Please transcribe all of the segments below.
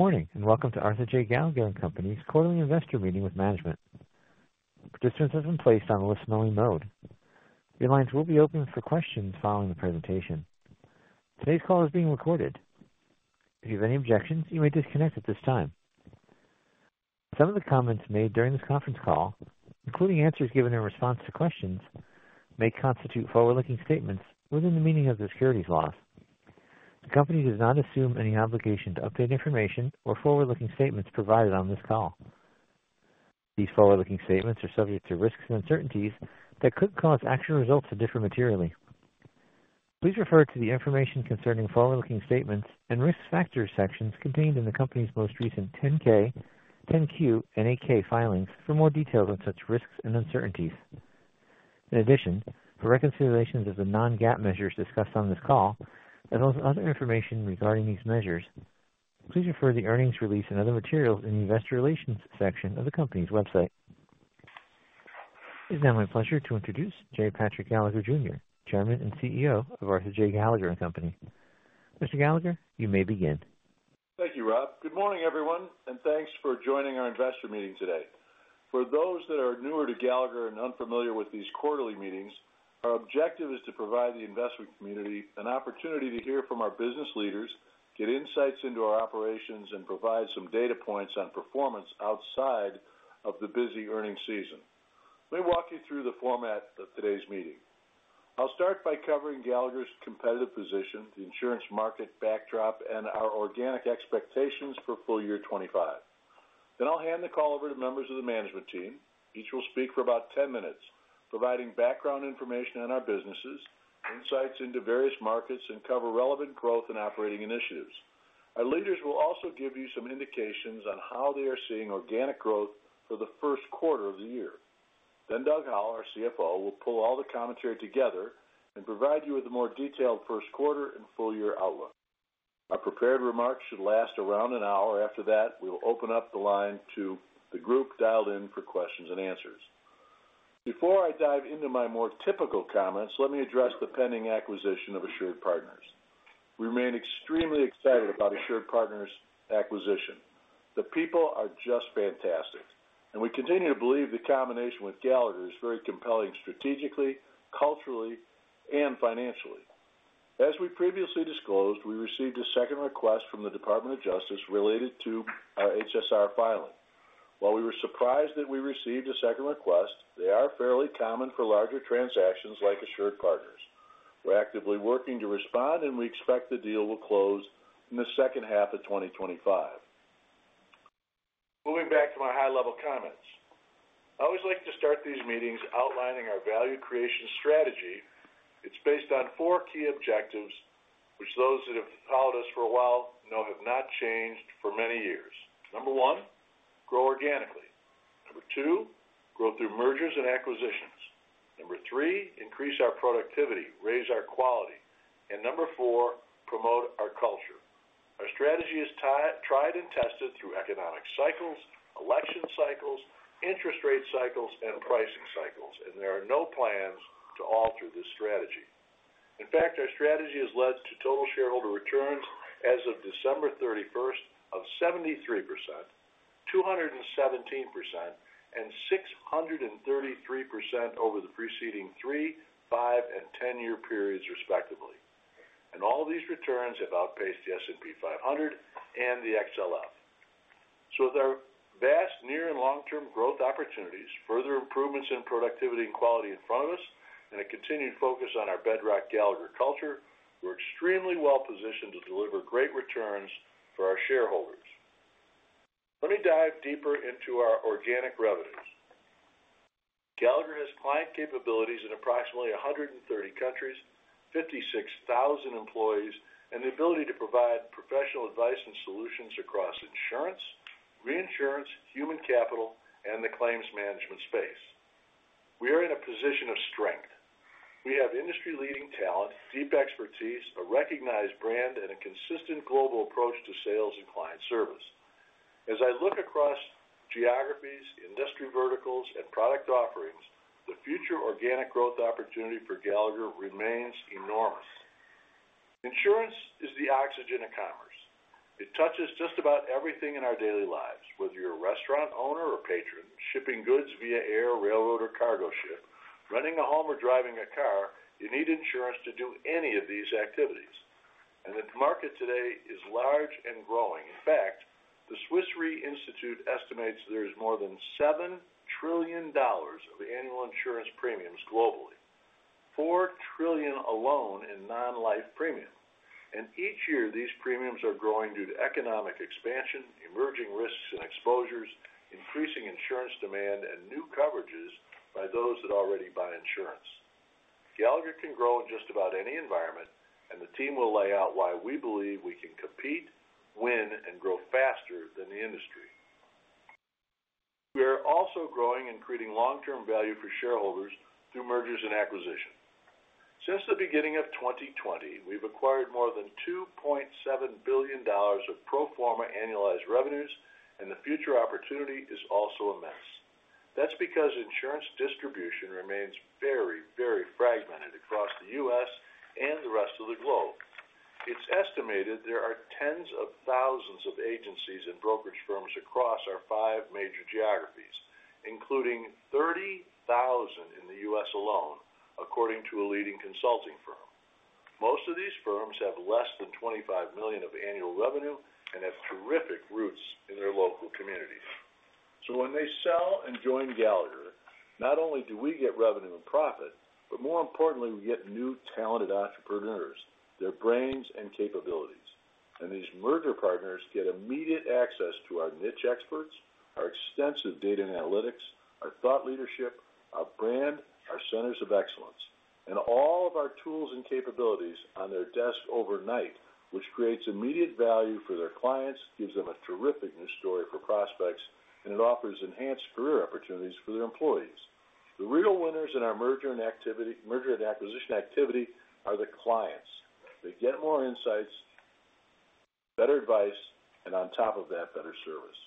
Good morning and welcome to Arthur J. Gallagher & Company’s Quarterly Investor Meeting with Management. Participants have been placed on a listen-only mode. Your lines will be open for questions following the presentation. Today's call is being recorded. If you have any objections, you may disconnect at this time. Some of the comments made during this conference call, including answers given in response to questions, may constitute forward-looking statements within the meaning of the securities laws. The company does not assume any obligation to update information or forward-looking statements provided on this call. These forward-looking statements are subject to risks and uncertainties that could cause actual results to differ materially. Please refer to the information concerning forward-looking statements and risk factors sections contained in the company's most recent 10-K, 10-Q, and 8-K filings for more details on such risks and uncertainties. In addition, for reconciliations of the non-GAAP measures discussed on this call, as well as other information regarding these measures, please refer to the earnings release and other materials in the investor relations section of the company's website. It is now my pleasure to introduce Jerry Patrick Gallagher Jr., Chairman and CEO of Arthur J. Gallagher & Company. Mr. Gallagher, you may begin. Thank you, Ray. Good morning, everyone, and thanks for joining our investor meeting today. For those that are newer to Gallagher and unfamiliar with these quarterly meetings, our objective is to provide the investment community an opportunity to hear from our business leaders, get insights into our operations, and provide some data points on performance outside of the busy earnings season. Let me walk you through the format of today's meeting. I'll start by covering Gallagher's competitive position, the insurance market backdrop, and our organic expectations for full year 2025. I will hand the call over to members of the management team. Each will speak for about 10 minutes, providing background information on our businesses, insights into various markets, and cover relevant growth and operating initiatives. Our leaders will also give you some indications on how they are seeing organic growth for the first quarter of the year. Doug Howell, our CFO, will pull all the commentary together and provide you with a more detailed first quarter and full year outlook. Our prepared remarks should last around an hour. After that, we will open up the line to the group dialed in for questions and answers. Before I dive into my more typical comments, let me address the pending acquisition of AssuredPartners. We remain extremely excited about AssuredPartners' acquisition. The people are just fantastic, and we continue to believe the combination with Gallagher is very compelling strategically, culturally, and financially. As we previously disclosed, we received a second request from the Department of Justice related to our HSR filing. While we were surprised that we received a second request, they are fairly common for larger transactions like AssuredPartners. We're actively working to respond, and we expect the deal will close in the second half of 2025. Moving back to my high-level comments, I always like to start these meetings outlining our value creation strategy. It's based on four key objectives, which those that have followed us for a while know have not changed for many years. Number one, grow organically. Number two, grow through mergers and acquisitions. Number three, increase our productivity, raise our quality, and number four, promote our culture. Our strategy is tried and tested through economic cycles, election cycles, interest rate cycles, and pricing cycles, and there are no plans to alter this strategy. In fact, our strategy has led to total shareholder returns as of December 31, 73%, 217%, and 633% over the preceding three, five, and ten-year periods, respectively. All these returns have outpaced the S&P 500 and the XLF. With our vast near and long-term growth opportunities, further improvements in productivity and quality in front of us, and a continued focus on our bedrock Gallagher culture, we're extremely well positioned to deliver great returns for our shareholders. Let me dive deeper into our organic revenues. Gallagher has client capabilities in approximately 130 countries, 56,000 employees, and the ability to provide professional advice and solutions across insurance, reinsurance, human capital, and the claims management space. We are in a position of strength. We have industry-leading talent, deep expertise, a recognized brand, and a consistent global approach to sales and client service. As I look across geographies, industry verticals, and product offerings, the future organic growth opportunity for Gallagher remains enormous. Insurance is the oxygen of commerce. It touches just about everything in our daily lives. Whether you're a restaurant owner or patron, shipping goods via air, railroad, or cargo ship, running a home, or driving a car, you need insurance to do any of these activities. The market today is large and growing. In fact, the Swiss Re Institute estimates there is more than $7 Trillion of annual insurance premiums globally, $4 Trillion alone in non-life premiums. Each year, these premiums are growing due to economic expansion, emerging risks and exposures, increasing insurance demand, and new coverages by those that already buy insurance. Gallagher can grow in just about any environment, and the team will lay out why we believe we can compete, win, and grow faster than the industry. We are also growing and creating long-term value for shareholders through mergers and acquisitions. Since the beginning of 2020, we've acquired more than $2.7 billion of pro forma annualized revenues, and the future opportunity is also immense. That's because insurance distribution remains very, very fragmented across the U.S. and the rest of the globe. It's estimated there are tens of thousands of agencies and brokerage firms across our five major geographies, including 30,000 in the U.S. alone, according to a leading consulting firm. Most of these firms have less than $25 million of annual revenue and have terrific roots in their local communities. When they sell and join Gallagher, not only do we get revenue and profit, but more importantly, we get new talented entrepreneurs, their brains and capabilities. These merger partners get immediate access to our niche experts, our extensive data and analytics, our thought leadership, our brand, our centers of excellence, and all of our tools and capabilities on their desk overnight, which creates immediate value for their clients, gives them a terrific new story for prospects, and it offers enhanced career opportunities for their employees. The real winners in our merger and acquisition activity are the clients. They get more insights, better advice, and on top of that, better service.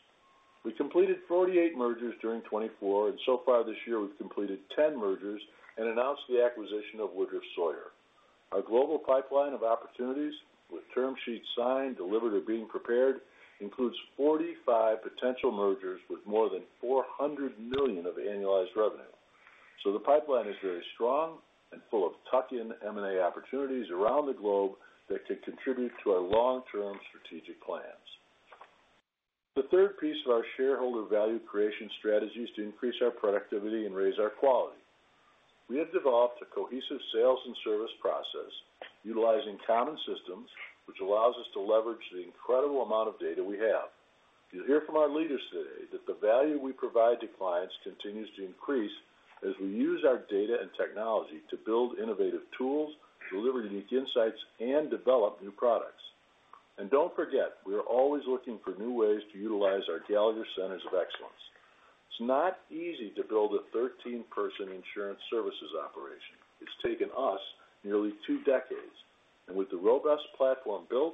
We completed 48 mergers during 2024, and so far this year, we've completed 10 mergers and announced the acquisition of Woodruff Sawyer. Our global pipeline of opportunities, with term sheets signed, delivered, or being prepared, includes 45 potential mergers with more than $400 million of annualized revenue. The pipeline is very strong and full of tuck-in M&A opportunities around the globe that could contribute to our long-term strategic plans. The third piece of our shareholder value creation strategy is to increase our productivity and raise our quality. We have developed a cohesive sales and service process utilizing common systems, which allows us to leverage the incredible amount of data we have. You'll hear from our leaders today that the value we provide to clients continues to increase as we use our data and technology to build innovative tools, deliver unique insights, and develop new products. Do not forget, we are always looking for new ways to utilize our Gallagher centers of excellence. It's not easy to build a 13-person insurance services operation. It's taken us nearly two decades. With the robust platform built,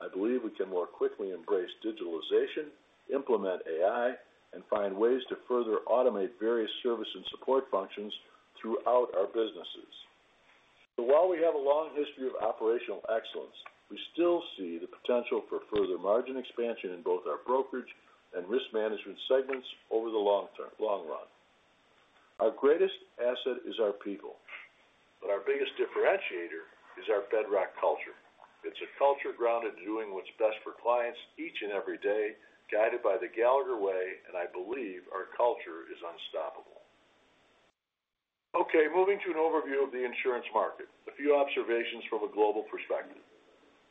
I believe we can more quickly embrace digitalization, implement AI, and find ways to further automate various service and support functions throughout our businesses. While we have a long history of operational excellence, we still see the potential for further margin expansion in both our brokerage and risk management segments over the long run. Our greatest asset is our people, but our biggest differentiator is our bedrock culture. It's a culture grounded in doing what's best for clients each and every day, guided by the Gallagher way, and I believe our culture is unstoppable. Moving to an overview of the insurance market, a few observations from a global perspective.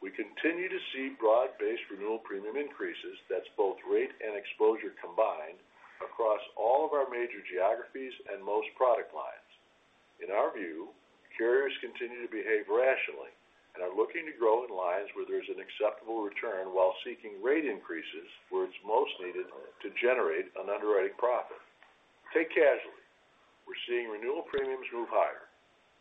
We continue to see broad-based renewal premium increases. That's both rate and exposure combined across all of our major geographies and most product lines. In our view, carriers continue to behave rationally and are looking to grow in lines where there is an acceptable return while seeking rate increases where it's most needed to generate an underwriting profit. Take casualty, we're seeing renewal premiums move higher.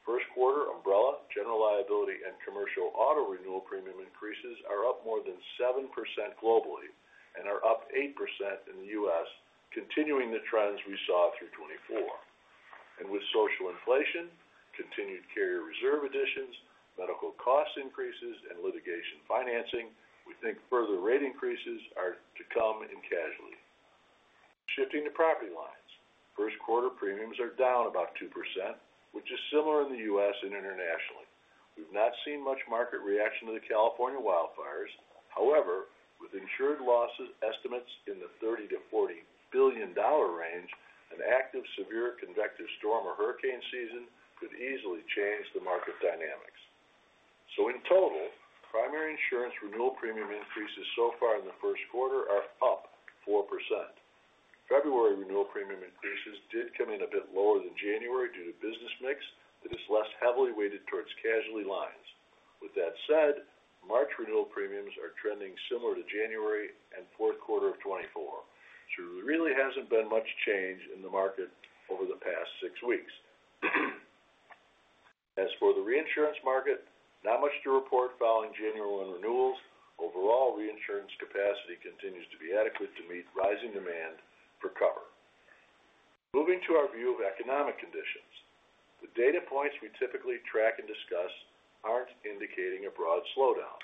First quarter umbrella, general liability, and commercial auto renewal premium increases are up more than 7% globally and are up 8% in the U.S., continuing the trends we saw through 2024. With social inflation, continued carrier reserve additions, medical cost increases, and litigation financing, we think further rate increases are to come in casualty. Shifting to property lines, first quarter premiums are down about 2%, which is similar in the U.S. and internationally. We've not seen much market reaction to the California wildfires. However, with insured losses estimates in the $30 billion-$40 billion range, an active severe convective storm or hurricane season could easily change the market dynamics. In total, primary insurance renewal premium increases so far in the first quarter are up 4%. February renewal premium increases did come in a bit lower than January due to business mix that is less heavily weighted towards casualty lines. With that said, March renewal premiums are trending similar to January and fourth quarter of 2024. There really hasn't been much change in the market over the past six weeks. As for the reinsurance market, not much to report following January renewals. Overall, reinsurance capacity continues to be adequate to meet rising demand for cover. Moving to our view of economic conditions, the data points we typically track and discuss aren't indicating a broad slowdown.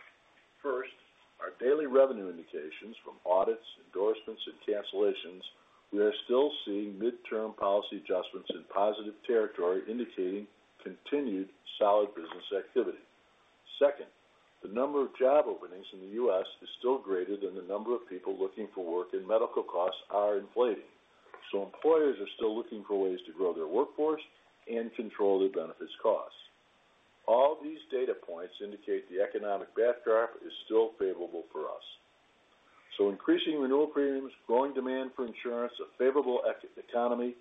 First, our daily revenue indications from audits, endorsements, and cancellations, we are still seeing midterm policy adjustments in positive territory indicating continued solid business activity. Second, the number of job openings in the U.S. is still greater than the number of people looking for work and medical costs are inflating. Employers are still looking for ways to grow their workforce and control their benefits costs. All these data points indicate the economic backdrop is still favorable for us. Increasing renewal premiums, growing demand for insurance, a favorable economy,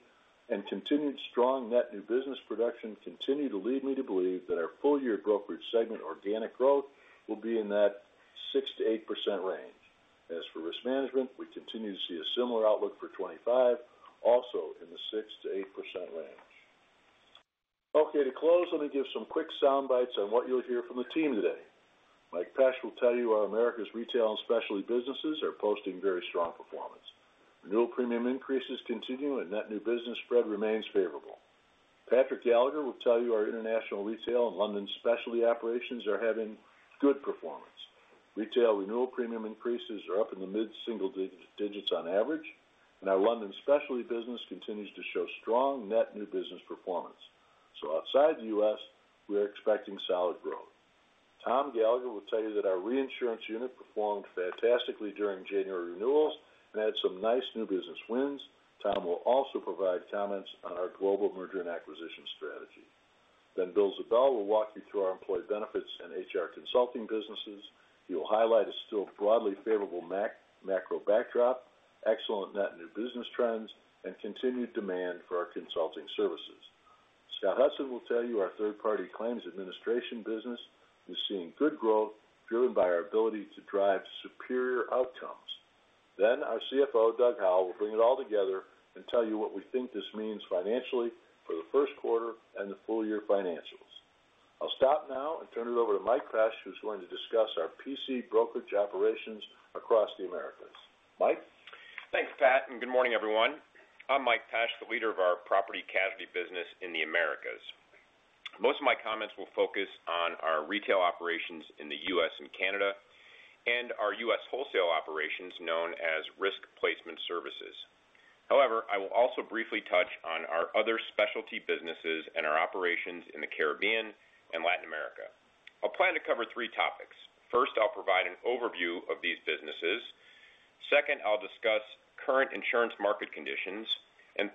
and continued strong net new business production continue to lead me to believe that our full year brokerage segment organic growth will be in that 6-8% range. As for risk management, we continue to see a similar outlook for 2025, also in the 6-8% range. Okay, to close, let me give some quick soundbites on what you'll hear from the team today. Mike Pesch will tell you our Americas retail and specialty businesses are posting very strong performance. Renewal premium increases continue and net new business spread remains favorable. Patrick Gallagher will tell you our international retail and London specialty operations are having good performance. Retail renewal premium increases are up in the mid-single digits on average, and our London specialty business continues to show strong net new business performance. Outside the U.S., we're expecting solid growth. Tom Gallagher will tell you that our reinsurance unit performed fantastically during January renewals and had some nice new business wins. Tom will also provide comments on our global merger and acquisition strategy. Bill Ziebell will walk you through our employee benefits and HR consulting businesses. He will highlight a still broadly favorable macro backdrop, excellent net new business trends, and continued demand for our consulting services. Scott Hudson will tell you our third-party claims administration business is seeing good growth driven by our ability to drive superior outcomes. Our CFO, Doug Howell, will bring it all together and tell you what we think this means financially for the first quarter and the full year financials. I'll stop now and turn it over to Mike Pesch, who's going to discuss our PC brokerage operations across the Americas. Mike. Thanks, Pat, and good morning, everyone. I'm Mike Pesch, the leader of our property casualty business in the Americas. Most of my comments will focus on our retail operations in the U.S. and Canada and our U.S. wholesale operations known as Risk Placement Services. However, I will also briefly touch on our other specialty businesses and our operations in the Caribbean and Latin America. I'll plan to cover three topics. First, I'll provide an overview of these businesses. Second, I'll discuss current insurance market conditions.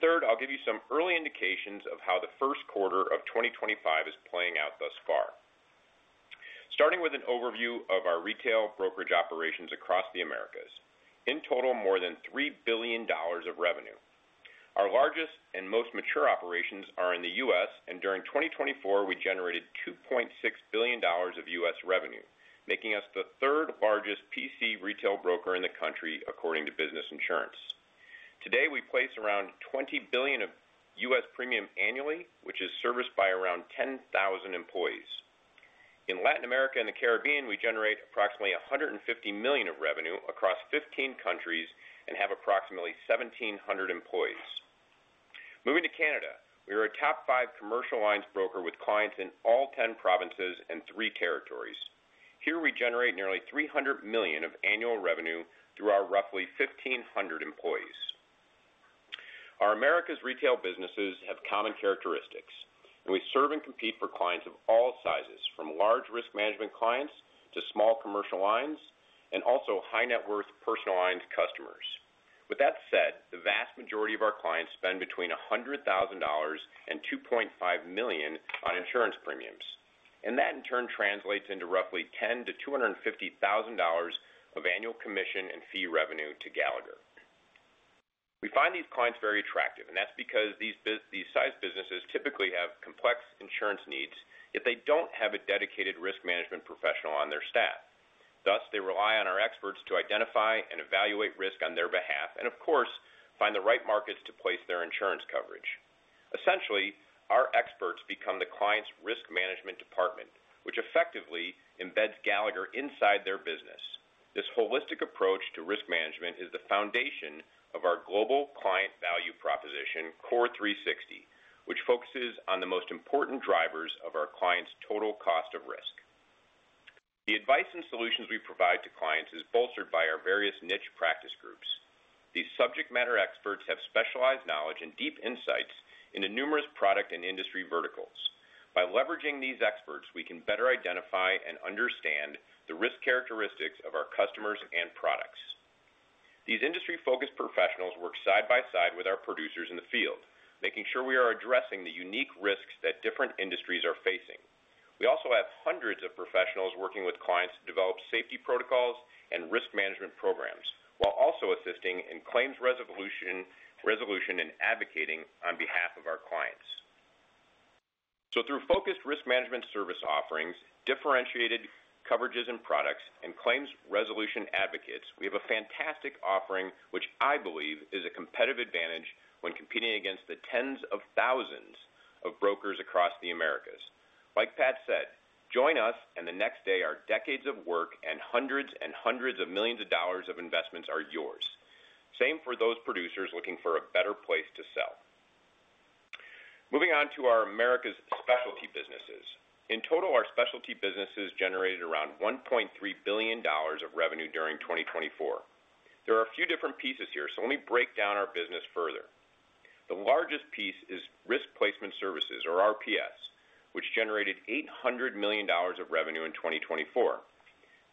Third, I'll give you some early indications of how the first quarter of 2025 is playing out thus far. Starting with an overview of our retail brokerage operations across the Americas. In total, more than $3 billion of revenue. Our largest and most mature operations are in the U.S., and during 2024, we generated $2.6 billion of U.S. revenue, making us the third largest PC retail broker in the country according to Business Insurance. Today, we place around $20 billion of U.S. premium annually, which is serviced by around 10,000 employees. In Latin America and the Caribbean, we generate approximately $150 million of revenue across 15 countries and have approximately 1,700 employees. Moving to Canada, we are a top five commercial lines broker with clients in all 10 provinces and three territories. Here, we generate nearly $300 million of annual revenue through our roughly 1,500 employees. Our America's retail businesses have common characteristics, and we serve and compete for clients of all sizes, from large risk management clients to small commercial lines and also high-net-worth personal lines customers. With that said, the vast majority of our clients spend between $100,000 and $2.5 million on insurance premiums. That, in turn, translates into roughly $10,000-$250,000 of annual commission and fee revenue to Gallagher. We find these clients very attractive, and that's because these size businesses typically have complex insurance needs if they don't have a dedicated risk management professional on their staff. Thus, they rely on our experts to identify and evaluate risk on their behalf and, of course, find the right markets to place their insurance coverage. Essentially, our experts become the client's risk management department, which effectively embeds Gallagher inside their business. This holistic approach to risk management is the foundation of our global client value proposition, Core 360, which focuses on the most important drivers of our client's total cost of risk. The advice and solutions we provide to clients is bolstered by our various niche practice groups. These subject matter experts have specialized knowledge and deep insights into numerous product and industry verticals. By leveraging these experts, we can better identify and understand the risk characteristics of our customers and products. These industry-focused professionals work side by side with our producers in the field, making sure we are addressing the unique risks that different industries are facing. We also have hundreds of professionals working with clients to develop safety protocols and risk management programs while also assisting in claims resolution and advocating on behalf of our clients. Through focused risk management service offerings, differentiated coverages and products, and claims resolution advocates, we have a fantastic offering, which I believe is a competitive advantage when competing against the tens of thousands of brokers across the Americas. Like Pat said, "Join us, and the next day our decades of work and hundreds and hundreds of millions of dollars of investments are yours." Same for those producers looking for a better place to sell. Moving on to our America's specialty businesses. In total, our specialty businesses generated around $1.3 billion of revenue during 2024. There are a few different pieces here, so let me break down our business further. The largest piece is Risk Placement Services, or RPS, which generated $800 million of revenue in 2024.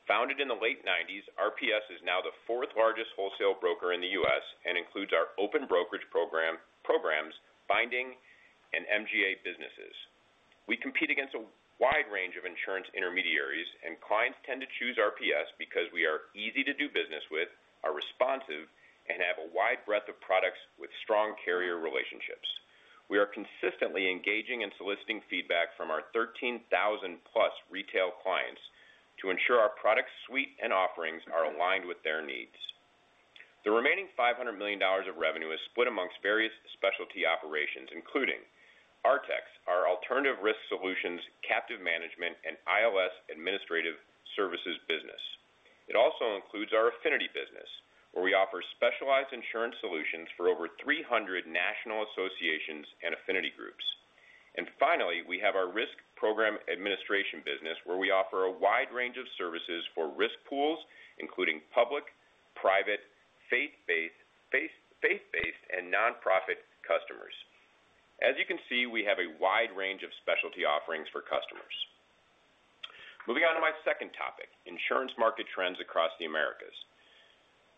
Founded in the late 1990s, RPS is now the fourth largest wholesale broker in the U.S. and includes our open brokerage programs, binding, and MGA businesses. We compete against a wide range of insurance intermediaries, and clients tend to choose RPS because we are easy to do business with, are responsive, and have a wide breadth of products with strong carrier relationships. We are consistently engaging and soliciting feedback from our 13,000-plus retail clients to ensure our product suite and offerings are aligned with their needs. The remaining $500 million of revenue is split amongst various specialty operations, including RTEX, our alternative risk solutions, captive management, and IOS administrative services business. It also includes our affinity business, where we offer specialized insurance solutions for over 300 national associations and affinity groups. Finally, we have our risk program administration business, where we offer a wide range of services for risk pools, including public, private, faith-based, and nonprofit customers. As you can see, we have a wide range of specialty offerings for customers. Moving on to my second topic, insurance market trends across the Americas.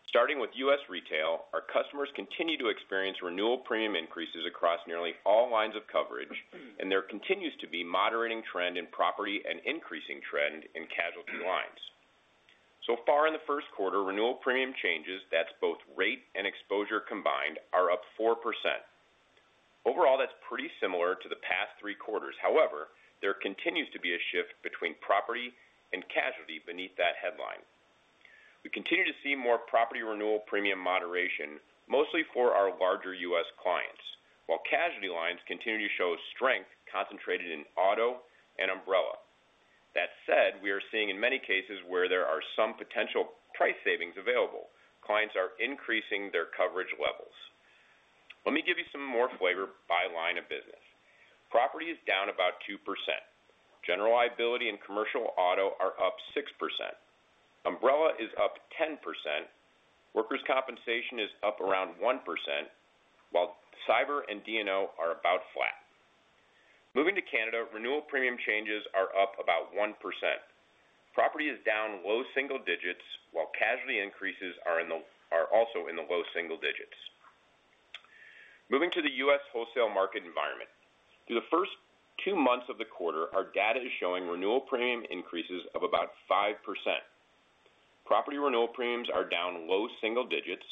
Starting with U.S. retail, our customers continue to experience renewal premium increases across nearly all lines of coverage, and there continues to be moderating trend in property and increasing trend in casualty lines. So far in the first quarter, renewal premium changes, that's both rate and exposure combined, are up 4%. Overall, that's pretty similar to the past three quarters. However, there continues to be a shift between property and casualty beneath that headline. We continue to see more property renewal premium moderation, mostly for our larger U.S. clients, while casualty lines continue to show strength concentrated in auto and umbrella. That said, we are seeing in many cases where there are some potential price savings available. Clients are increasing their coverage levels. Let me give you some more flavor by line of business. Property is down about 2%. General liability and commercial auto are up 6%. Umbrella is up 10%. Workers' compensation is up around 1%, while cyber and DNO are about flat. Moving to Canada, renewal premium changes are up about 1%. Property is down low single digits, while casualty increases are also in the low single digits. Moving to the U.S. wholesale market environment. Through the first two months of the quarter, our data is showing renewal premium increases of about 5%. Property renewal premiums are down low single digits.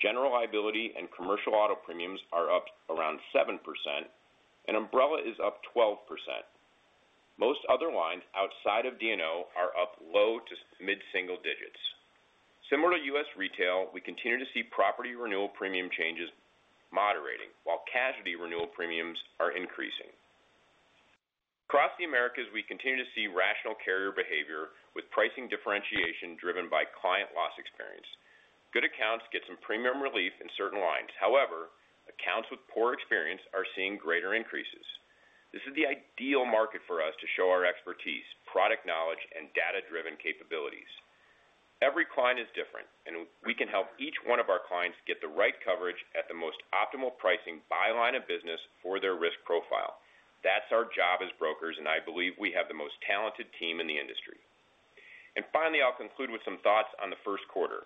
General liability and commercial auto premiums are up around 7%, and umbrella is up 12%. Most other lines outside of DNO are up low to mid-single digits. Similar to US retail, we continue to see property renewal premium changes moderating, while casualty renewal premiums are increasing. Across the Americas, we continue to see rational carrier behavior with pricing differentiation driven by client loss experience. Good accounts get some premium relief in certain lines. However, accounts with poor experience are seeing greater increases. This is the ideal market for us to show our expertise, product knowledge, and data-driven capabilities. Every client is different, and we can help each one of our clients get the right coverage at the most optimal pricing by line of business for their risk profile. That's our job as brokers, and I believe we have the most talented team in the industry. Finally, I'll conclude with some thoughts on the first quarter.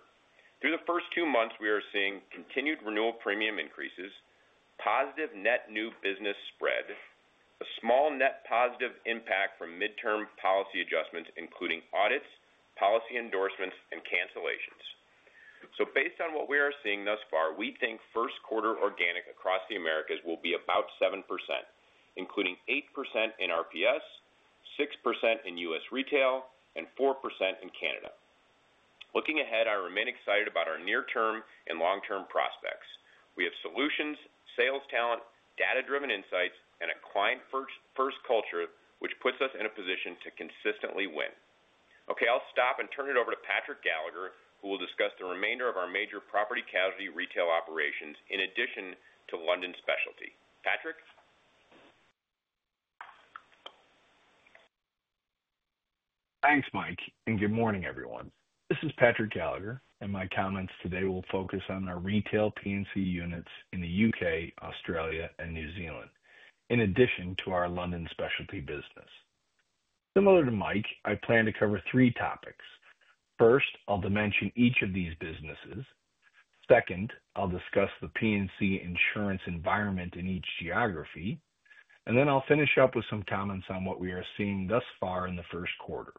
Through the first two months, we are seeing continued renewal premium increases, positive net new business spread, a small net positive impact from midterm policy adjustments, including audits, policy endorsements, and cancellations. Based on what we are seeing thus far, we think first quarter organic across the Americas will be about 7%, including 8% in RPS, 6% in U.S. retail, and 4% in Canada. Looking ahead, I remain excited about our near-term and long-term prospects. We have solutions, sales talent, data-driven insights, and a client-first culture, which puts us in a position to consistently win. Okay, I'll stop and turn it over to Patrick Gallagher, who will discuss the remainder of our major property casualty retail operations in addition to London specialty. Patrick. Thanks, Mike, and good morning, everyone. This is Patrick Gallagher, and my comments today will focus on our retail P&C units in the U.K., Australia, and New Zealand, in addition to our London specialty business. Similar to Mike, I plan to cover three topics. First, I'll dimension each of these businesses. Second, I'll discuss the P&C insurance environment in each geography, and then I'll finish up with some comments on what we are seeing thus far in the first quarter.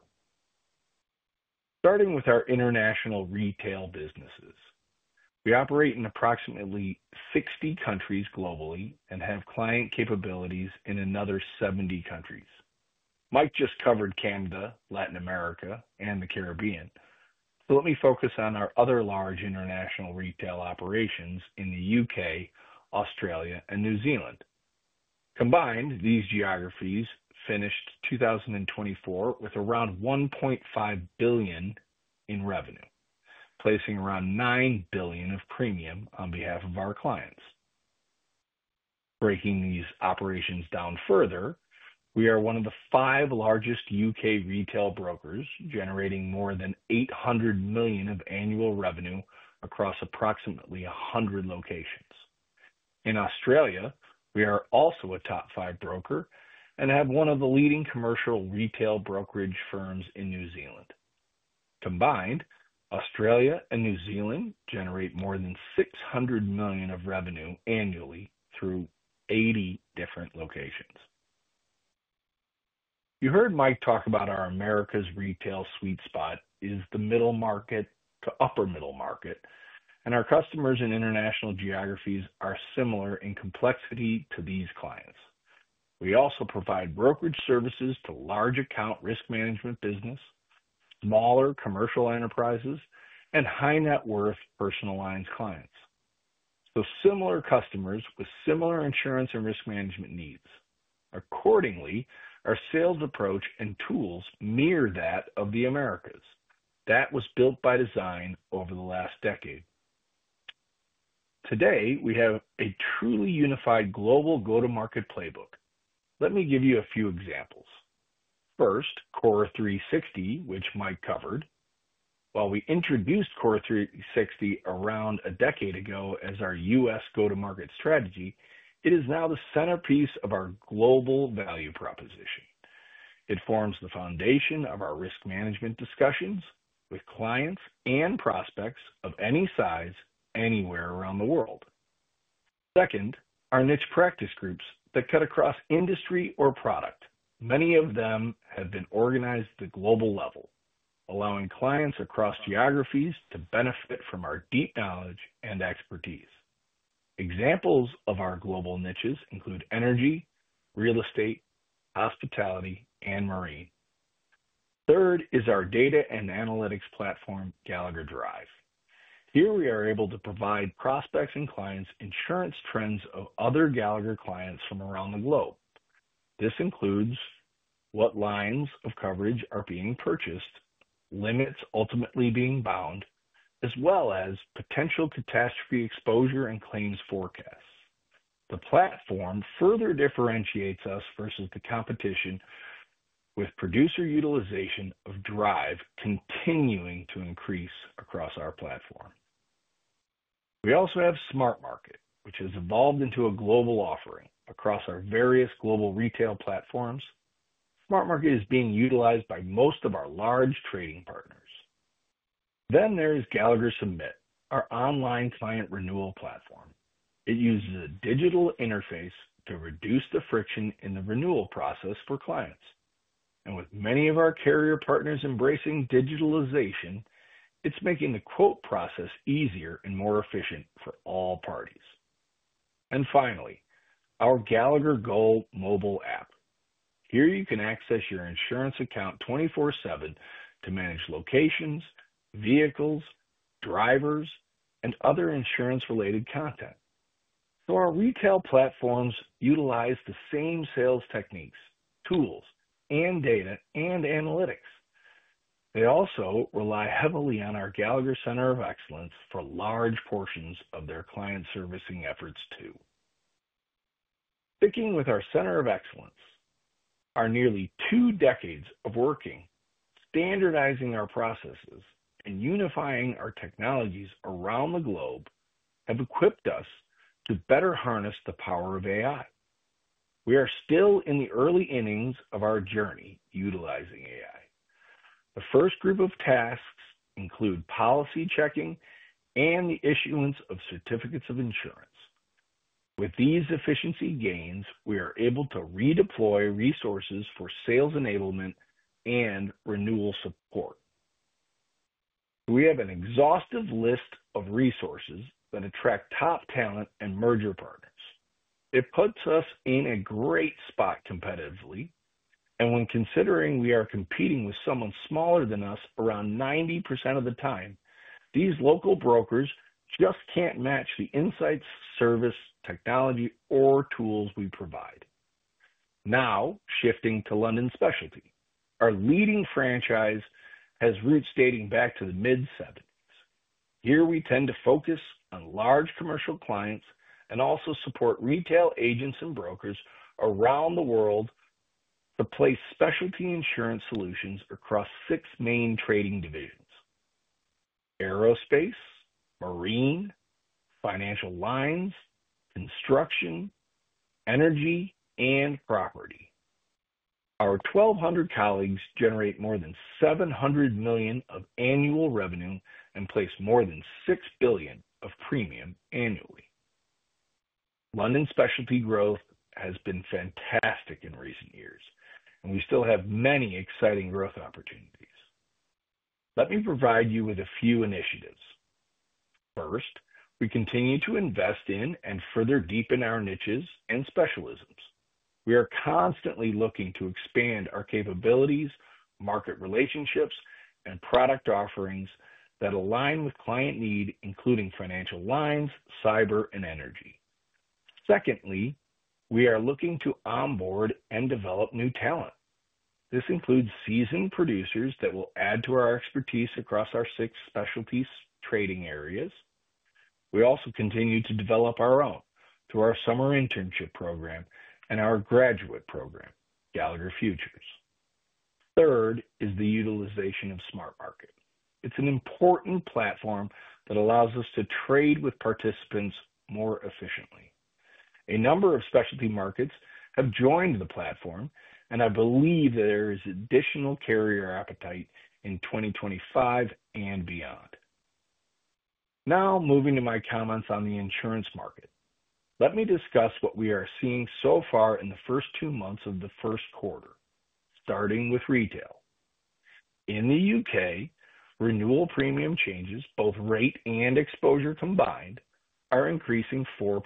Starting with our international retail businesses, we operate in approximately 60 countries globally and have client capabilities in another 70 countries. Mike just covered Canada, Latin America, and the Caribbean. Let me focus on our other large international retail operations in the U.K., Australia, and New Zealand. Combined, these geographies finished 2024 with around $1.5 billion in revenue, placing around $9 billion of premium on behalf of our clients. Breaking these operations down further, we are one of the five largest U.K. retail brokers, generating more than $800 million of annual revenue across approximately 100 locations. In Australia, we are also a top five broker and have one of the leading commercial retail brokerage firms in New Zealand. Combined, Australia and New Zealand generate more than $600 million of revenue annually through 80 different locations. You heard Mike talk about our America's retail sweet spot is the middle market to upper middle market, and our customers in international geographies are similar in complexity to these clients. We also provide brokerage services to large account risk management businesses, smaller commercial enterprises, and high-net-worth personal lines clients. Similar customers with similar insurance and risk management needs. Accordingly, our sales approach and tools mirror that of the Americas. That was built by design over the last decade. Today, we have a truly unified global go-to-market playbook. Let me give you a few examples. First, Core 360, which Mike covered. While we introduced Core 360 around a decade ago as our U.S. go-to-market strategy, it is now the centerpiece of our global value proposition. It forms the foundation of our risk management discussions with clients and prospects of any size anywhere around the world. Second, our niche practice groups that cut across industry or product. Many of them have been organized at the global level, allowing clients across geographies to benefit from our deep knowledge and expertise. Examples of our global niches include energy, real estate, hospitality, and marine. Third is our data and analytics platform, Gallagher Drive. Here, we are able to provide prospects and clients insurance trends of other Gallagher clients from around the globe. This includes what lines of coverage are being purchased, limits ultimately being bound, as well as potential catastrophe exposure and claims forecasts. The platform further differentiates us versus the competition with producer utilization of Drive continuing to increase across our platform. We also have Smart Market, which has evolved into a global offering across our various global retail platforms. Smart Market is being utilized by most of our large trading partners. There is Gallagher Submit, our online client renewal platform. It uses a digital interface to reduce the friction in the renewal process for clients. With many of our carrier partners embracing digitalization, it's making the quote process easier and more efficient for all parties. Finally, our Gallagher Go mobile app. Here you can access your insurance account 24/7 to manage locations, vehicles, drivers, and other insurance-related content. Our retail platforms utilize the same sales techniques, tools, data, and analytics. They also rely heavily on our Gallagher Center of Excellence for large portions of their client servicing efforts too. Sticking with our Center of Excellence, our nearly two decades of working, standardizing our processes, and unifying our technologies around the globe have equipped us to better harness the power of AI. We are still in the early innings of our journey utilizing AI. The first group of tasks include policy checking and the issuance of certificates of insurance. With these efficiency gains, we are able to redeploy resources for sales enablement and renewal support. We have an exhaustive list of resources that attract top talent and merger partners. It puts us in a great spot competitively. When considering we are competing with someone smaller than us around 90% of the time, these local brokers just can't match the insights, service, technology, or tools we provide. Now, shifting to London specialty. Our leading franchise has roots dating back to the mid-1970s. Here, we tend to focus on large commercial clients and also support retail agents and brokers around the world to place specialty insurance solutions across six main trading divisions: aerospace, marine, financial lines, construction, energy, and property. Our 1,200 colleagues generate more than $700 million of annual revenue and place more than $6 billion of premium annually. London specialty growth has been fantastic in recent years, and we still have many exciting growth opportunities. Let me provide you with a few initiatives. First, we continue to invest in and further deepen our niches and specialisms. We are constantly looking to expand our capabilities, market relationships, and product offerings that align with client need, including financial lines, cyber, and energy. Secondly, we are looking to onboard and develop new talent. This includes seasoned producers that will add to our expertise across our six specialties trading areas. We also continue to develop our own through our summer internship program and our graduate program, GallagherFutures. Third is the utilization of Smart Market. It's an important platform that allows us to trade with participants more efficiently. A number of specialty markets have joined the platform, and I believe there is additional carrier appetite in 2025 and beyond. Now, moving to my comments on the insurance market. Let me discuss what we are seeing so far in the first two months of the first quarter, starting with retail. In the U.K., renewal premium changes, both rate and exposure combined, are increasing 4%.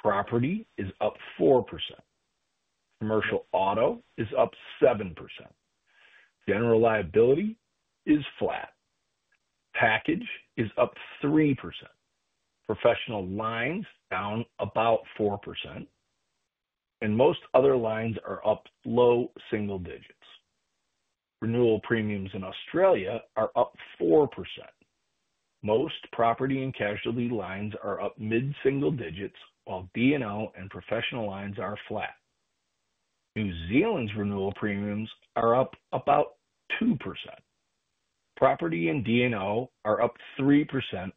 Property is up 4%. Commercial auto is up 7%. General liability is flat. Package is up 3%. Professional lines down about 4%, and most other lines are up low single digits. Renewal premiums in Australia are up 4%. Most property and casualty lines are up mid-single digits, while DNO and professional lines are flat. New Zealand's renewal premiums are up about 2%. Property and DNO are up 3%,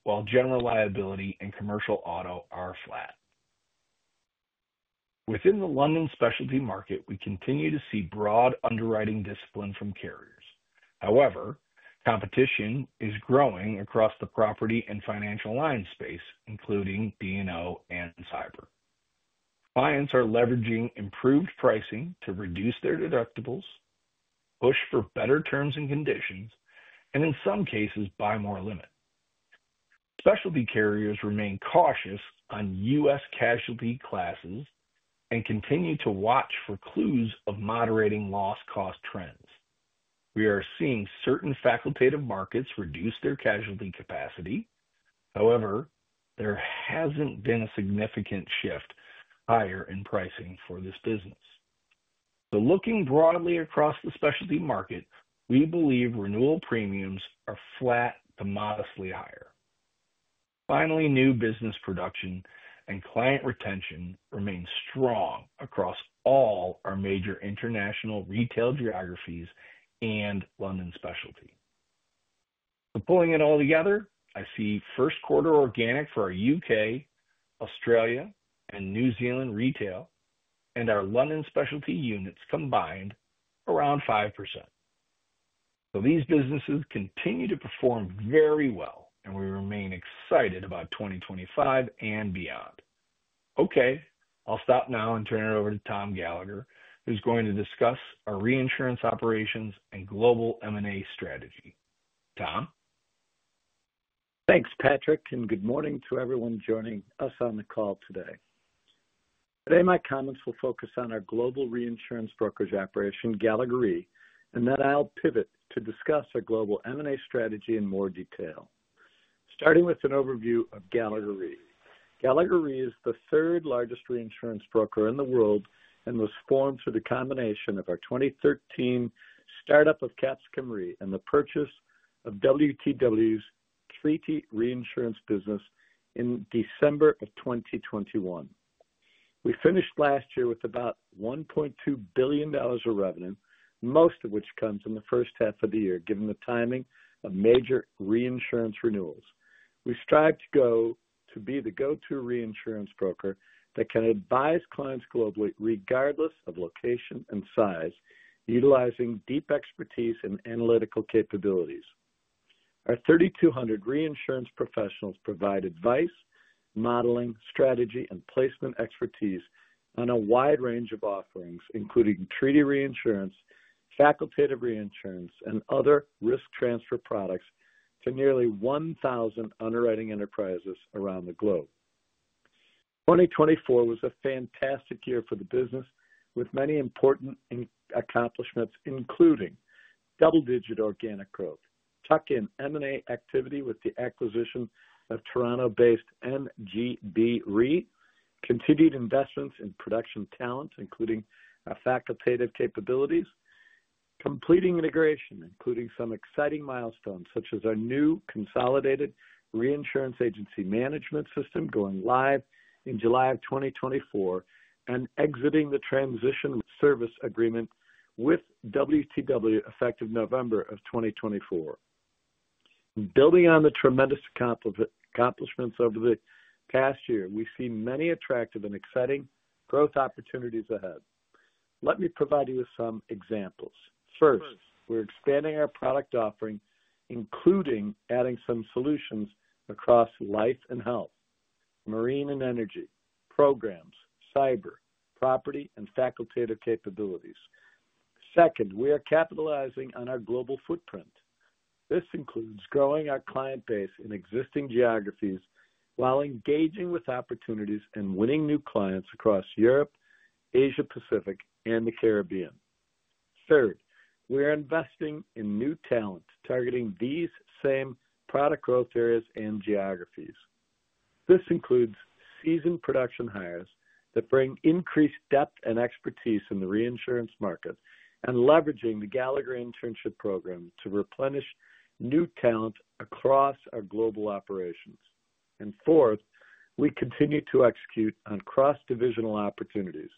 while general liability and commercial auto are flat. Within the London specialty market, we continue to see broad underwriting discipline from carriers. However, competition is growing across the property and financial line space, including DNO and cyber. Clients are leveraging improved pricing to reduce their deductibles, push for better terms and conditions, and in some cases, buy more limit. Specialty carriers remain cautious on U.S. casualty classes and continue to watch for clues of moderating loss cost trends. We are seeing certain facultative markets reduce their casualty capacity. However, there has not been a significant shift higher in pricing for this business. Looking broadly across the specialty market, we believe renewal premiums are flat to modestly higher. Finally, new business production and client retention remain strong across all our major international retail geographies and London specialty. Pulling it all together, I see first quarter organic for our U.K., Australia, and New Zealand retail, and our London specialty units combined around 5%. These businesses continue to perform very well, and we remain excited about 2025 and beyond. Okay, I'll stop now and turn it over to Tom Gallagher, who's going to discuss our reinsurance operations and global M&A strategy. Tom. Thanks, Patrick, and good morning to everyone joining us on the call today. Today, my comments will focus on our global reinsurance brokerage operation, Gallagher, and then I'll pivot to discuss our global M&A strategy in more detail. Starting with an overview of Gallagher. Gallagher is the third largest reinsurance broker in the world and was formed through the combination of our 2013 startup of Capscom Re and the purchase of WTW's Treaty Reinsurance business in December of 2021. We finished last year with about $1.2 billion of revenue, most of which comes in the first half of the year, given the timing of major reinsurance renewals. We strive to go to be the go-to reinsurance broker that can advise clients globally, regardless of location and size, utilizing deep expertise and analytical capabilities. Our 3,200 reinsurance professionals provide advice, modeling, strategy, and placement expertise on a wide range of offerings, including treaty reinsurance, facultative reinsurance, and other risk transfer products to nearly 1,000 underwriting enterprises around the globe. 2024 was a fantastic year for the business, with many important accomplishments, including double-digit organic growth, tuck-in M&A activity with the acquisition of Toronto-based MGB Reed, continued investments in production talent, including facultative capabilities, completing integration, including some exciting milestones, such as our new consolidated reinsurance agency management system going live in July of 2024 and exiting the transition service agreement with WTW effective November of 2024. Building on the tremendous accomplishments over the past year, we see many attractive and exciting growth opportunities ahead. Let me provide you with some examples. First, we're expanding our product offering, including adding some solutions across life and health, marine and energy, programs, cyber, property, and facultative capabilities. Second, we are capitalizing on our global footprint. This includes growing our client base in existing geographies while engaging with opportunities and winning new clients across Europe, Asia-Pacific, and the Caribbean. Third, we are investing in new talent targeting these same product growth areas and geographies. This includes seasoned production hires that bring increased depth and expertise in the reinsurance market and leveraging the Gallagher internship program to replenish new talent across our global operations. Fourth, we continue to execute on cross-divisional opportunities.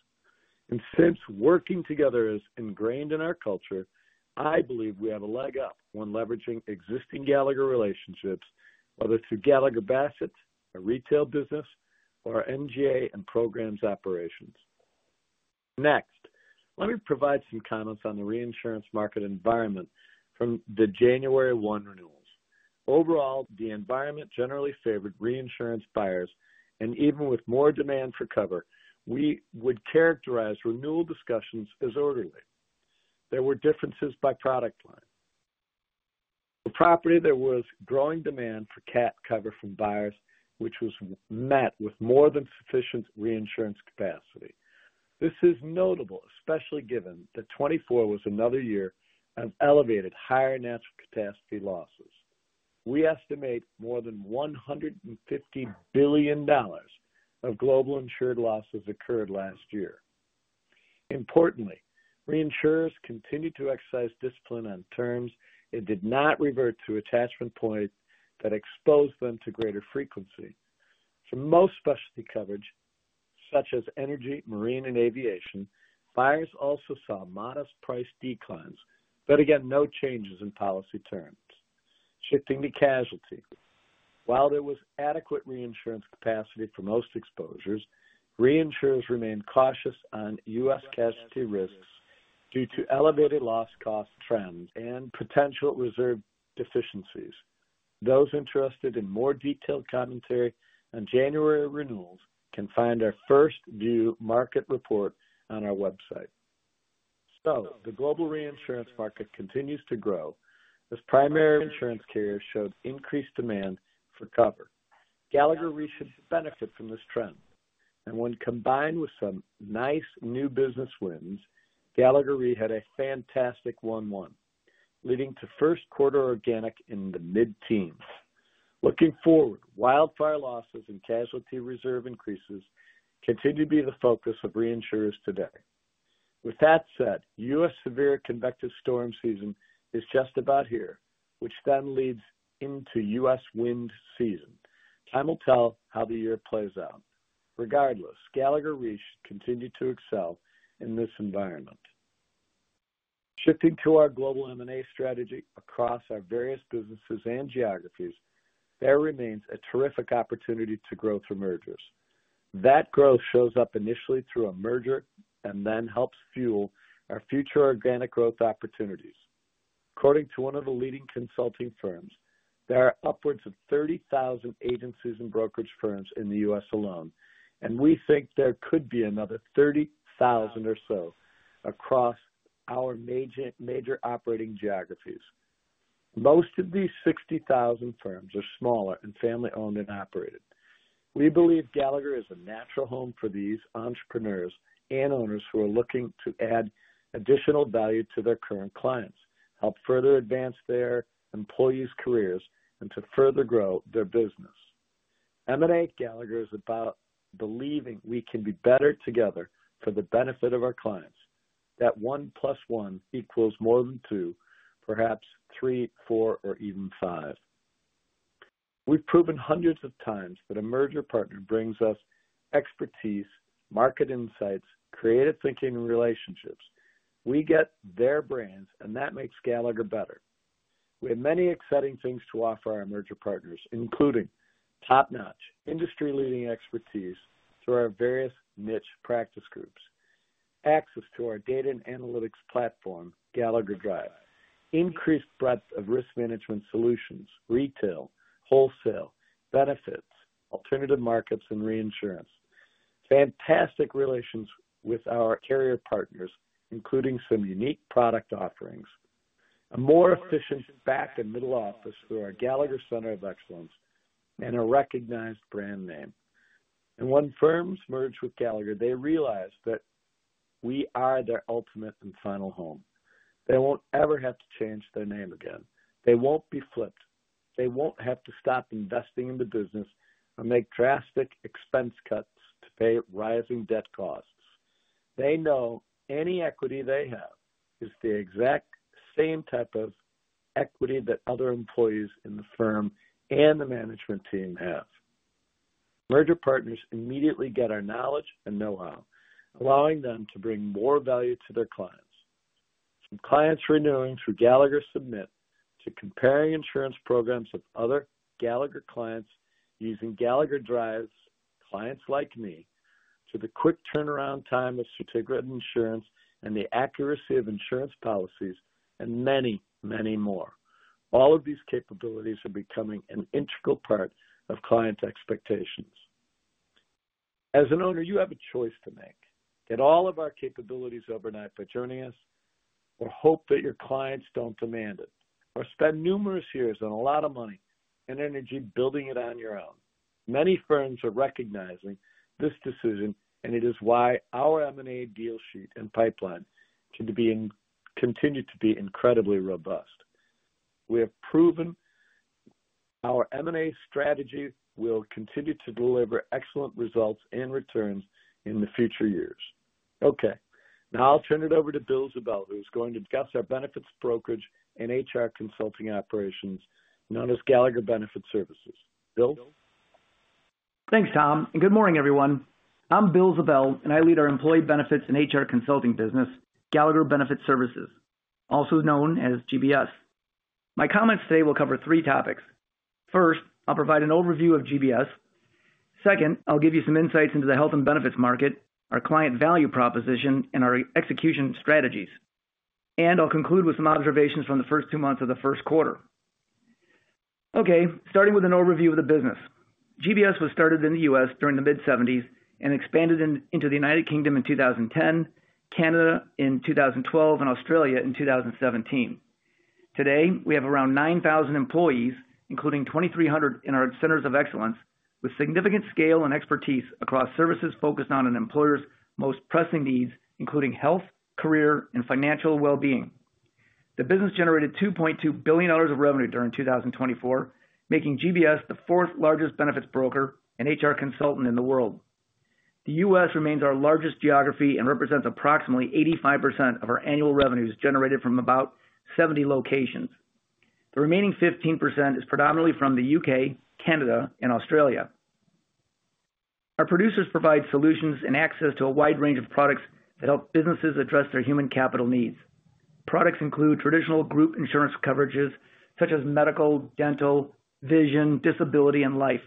Since working together is ingrained in our culture, I believe we have a leg up when leveraging existing Gallagher relationships, whether through Gallagher Bassett, our retail business, or our MGA and programs operations. Next, let me provide some comments on the reinsurance market environment from the January 1 renewals. Overall, the environment generally favored reinsurance buyers, and even with more demand for cover, we would characterize renewal discussions as orderly. There were differences by product line. For property, there was growing demand for cat cover from buyers, which was met with more than sufficient reinsurance capacity. This is notable, especially given that 2024 was another year of elevated higher natural catastrophe losses. We estimate more than $150 billion of global insured losses occurred last year. Importantly, reinsurers continued to exercise discipline on terms and did not revert to attachment points that exposed them to greater frequency. For most specialty coverage, such as energy, marine, and aviation, buyers also saw modest price declines, but again, no changes in policy terms. Shifting to casualty. While there was adequate reinsurance capacity for most exposures, reinsurers remained cautious on US casualty risks due to elevated loss cost trends and potential reserve deficiencies. Those interested in more detailed commentary on January renewals can find our first view market report on our website. The global reinsurance market continues to grow as primary insurance carriers showed increased demand for cover. Gallagher should benefit from this trend. When combined with some nice new business wins, Gallagher had a fantastic 1-1, leading to first quarter organic in the mid-teens. Looking forward, wildfire losses and casualty reserve increases continue to be the focus of reinsurers today. With that said, U.S. severe convective storm season is just about here, which then leads into U.S. wind season. Time will tell how the year plays out. Regardless, Gallagher should continue to excel in this environment. Shifting to our global M&A strategy across our various businesses and geographies, there remains a terrific opportunity to grow through mergers. That growth shows up initially through a merger and then helps fuel our future organic growth opportunities. According to one of the leading consulting firms, there are upwards of 30,000 agencies and brokerage firms in the U.S. alone, and we think there could be another 30,000 or so across our major operating geographies. Most of these 60,000 firms are small and family-owned and operated. We believe Gallagher is a natural home for these entrepreneurs and owners who are looking to add additional value to their current clients, help further advance their employees' careers, and to further grow their business. M&A at Gallagher is about believing we can be better together for the benefit of our clients. That one plus one equals more than two, perhaps three, four, or even five. We've proven hundreds of times that a merger partner brings us expertise, market insights, creative thinking, and relationships. We get their brains, and that makes Gallagher better. We have many exciting things to offer our merger partners, including top-notch industry-leading expertise through our various niche practice groups, access to our data and analytics platform, Gallagher Drive, increased breadth of risk management solutions, retail, wholesale, benefits, alternative markets, and reinsurance, fantastic relations with our carrier partners, including some unique product offerings, a more efficient back and middle office through our Gallagher Center of Excellence, and a recognized brand name. When firms merge with Gallagher, they realize that we are their ultimate and final home. They won't ever have to change their name again. They won't be flipped. They won't have to stop investing in the business or make drastic expense cuts to pay rising debt costs. They know any equity they have is the exact same type of equity that other employees in the firm and the management team have. Merger partners immediately get our knowledge and know-how, allowing them to bring more value to their clients. From clients renewing through Gallagher Submit to comparing insurance programs of other Gallagher clients using Gallagher Drive's clients like me, to the quick turnaround time of certificate insurance and the accuracy of insurance policies, and many, many more. All of these capabilities are becoming an integral part of client expectations. As an owner, you have a choice to make. Get all of our capabilities overnight by joining us, or hope that your clients don't demand it, or spend numerous years and a lot of money and energy building it on your own. Many firms are recognizing this decision, and it is why our M&A deal sheet and pipeline continue to be incredibly robust. We have proven our M&A strategy will continue to deliver excellent results and returns in the future years. Okay, now I'll turn it over to Bill Ziebell, who is going to discuss our benefits brokerage and HR consulting operations known as Gallagher Benefit Services. Bill? Thanks, Tom. And good morning, everyone. I'm Bill Ziebell, and I lead our employee benefits and HR consulting business, Gallagher Benefit Services, also known as GBS. My comments today will cover three topics. First, I'll provide an overview of GBS. Second, I'll give you some insights into the health and benefits market, our client value proposition, and our execution strategies. And I'll conclude with some observations from the first two months of the first quarter. Okay, starting with an overview of the business. GBS was started in the U.S. during the mid-1970s and expanded into the U.K. in 2010, Canada in 2012, and Australia in 2017. Today, we have around 9,000 employees, including 2,300 in our centers of excellence, with significant scale and expertise across services focused on an employer's most pressing needs, including health, career, and financial well-being. The business generated $2.2 billion of revenue during 2024, making GBS the fourth largest benefits broker and HR consultant in the world. The U.S. remains our largest geography and represents approximately 85% of our annual revenues generated from about 70 locations. The remaining 15% is predominantly from the U.K., Canada, and Australia. Our producers provide solutions and access to a wide range of products that help businesses address their human capital needs. Products include traditional group insurance coverages such as medical, dental, vision, disability, and life.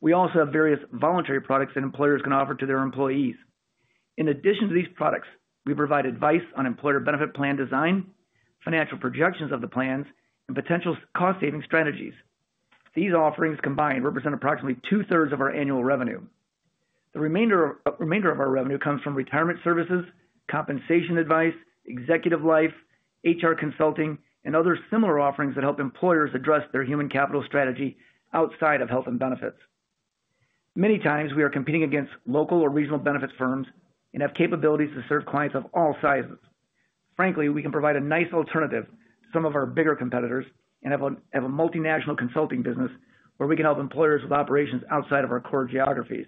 We also have various voluntary products that employers can offer to their employees. In addition to these products, we provide advice on employer benefit plan design, financial projections of the plans, and potential cost-saving strategies. These offerings combined represent approximately two-thirds of our annual revenue. The remainder of our revenue comes from retirement services, compensation advice, executive life, HR consulting, and other similar offerings that help employers address their human capital strategy outside of health and benefits. Many times, we are competing against local or regional benefits firms and have capabilities to serve clients of all sizes. Frankly, we can provide a nice alternative to some of our bigger competitors and have a multinational consulting business where we can help employers with operations outside of our core geographies.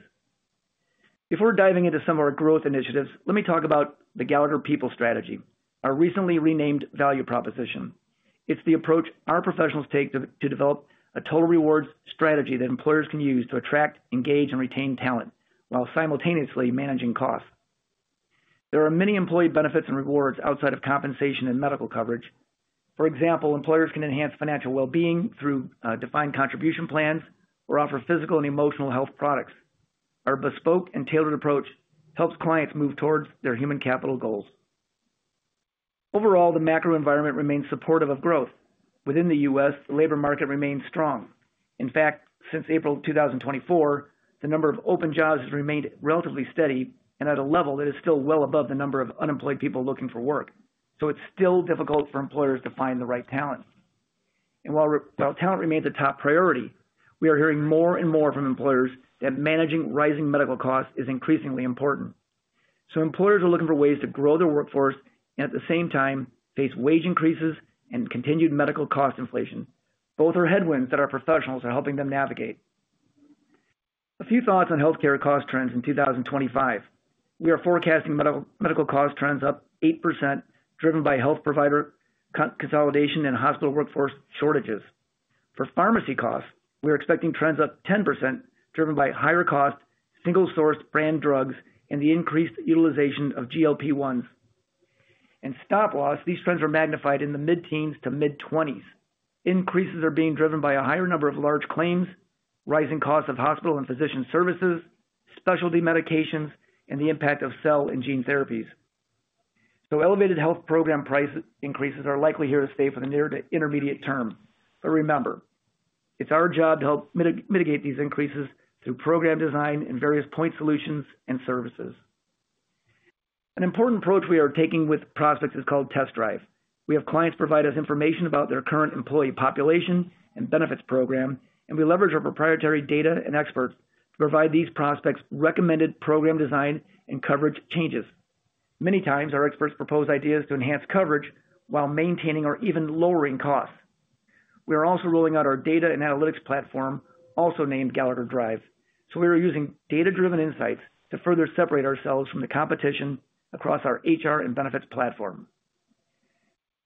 Before diving into some of our growth initiatives, let me talk about the Gallagher People Strategy, our recently renamed value proposition. It's the approach our professionals take to develop a total rewards strategy that employers can use to attract, engage, and retain talent while simultaneously managing costs. There are many employee benefits and rewards outside of compensation and medical coverage. For example, employers can enhance financial well-being through defined contribution plans or offer physical and emotional health products. Our bespoke and tailored approach helps clients move towards their human capital goals. Overall, the macro environment remains supportive of growth. Within the U.S., the labor market remains strong. In fact, since April 2024, the number of open jobs has remained relatively steady and at a level that is still well above the number of unemployed people looking for work. It's still difficult for employers to find the right talent. While talent remains a top priority, we are hearing more and more from employers that managing rising medical costs is increasingly important. Employers are looking for ways to grow their workforce and at the same time face wage increases and continued medical cost inflation. Both are headwinds that our professionals are helping them navigate. A few thoughts on healthcare cost trends in 2025. We are forecasting medical cost trends up 8%, driven by health provider consolidation and hospital workforce shortages. For pharmacy costs, we are expecting trends up 10%, driven by higher cost, single-source brand drugs, and the increased utilization of GLP-1s. For stop loss, these trends are magnified in the mid-teens to mid-20s. Increases are being driven by a higher number of large claims, rising costs of hospital and physician services, specialty medications, and the impact of cell and gene therapies. Elevated health program price increases are likely here to stay for the near to intermediate term. Remember, it's our job to help mitigate these increases through program design and various point solutions and services. An important approach we are taking with prospects is called Test Drive. We have clients provide us information about their current employee population and benefits program, and we leverage our proprietary data and experts to provide these prospects recommended program design and coverage changes. Many times, our experts propose ideas to enhance coverage while maintaining or even lowering costs. We are also rolling out our data and analytics platform, also named Gallagher Drive. We are using data-driven insights to further separate ourselves from the competition across our HR and benefits platform.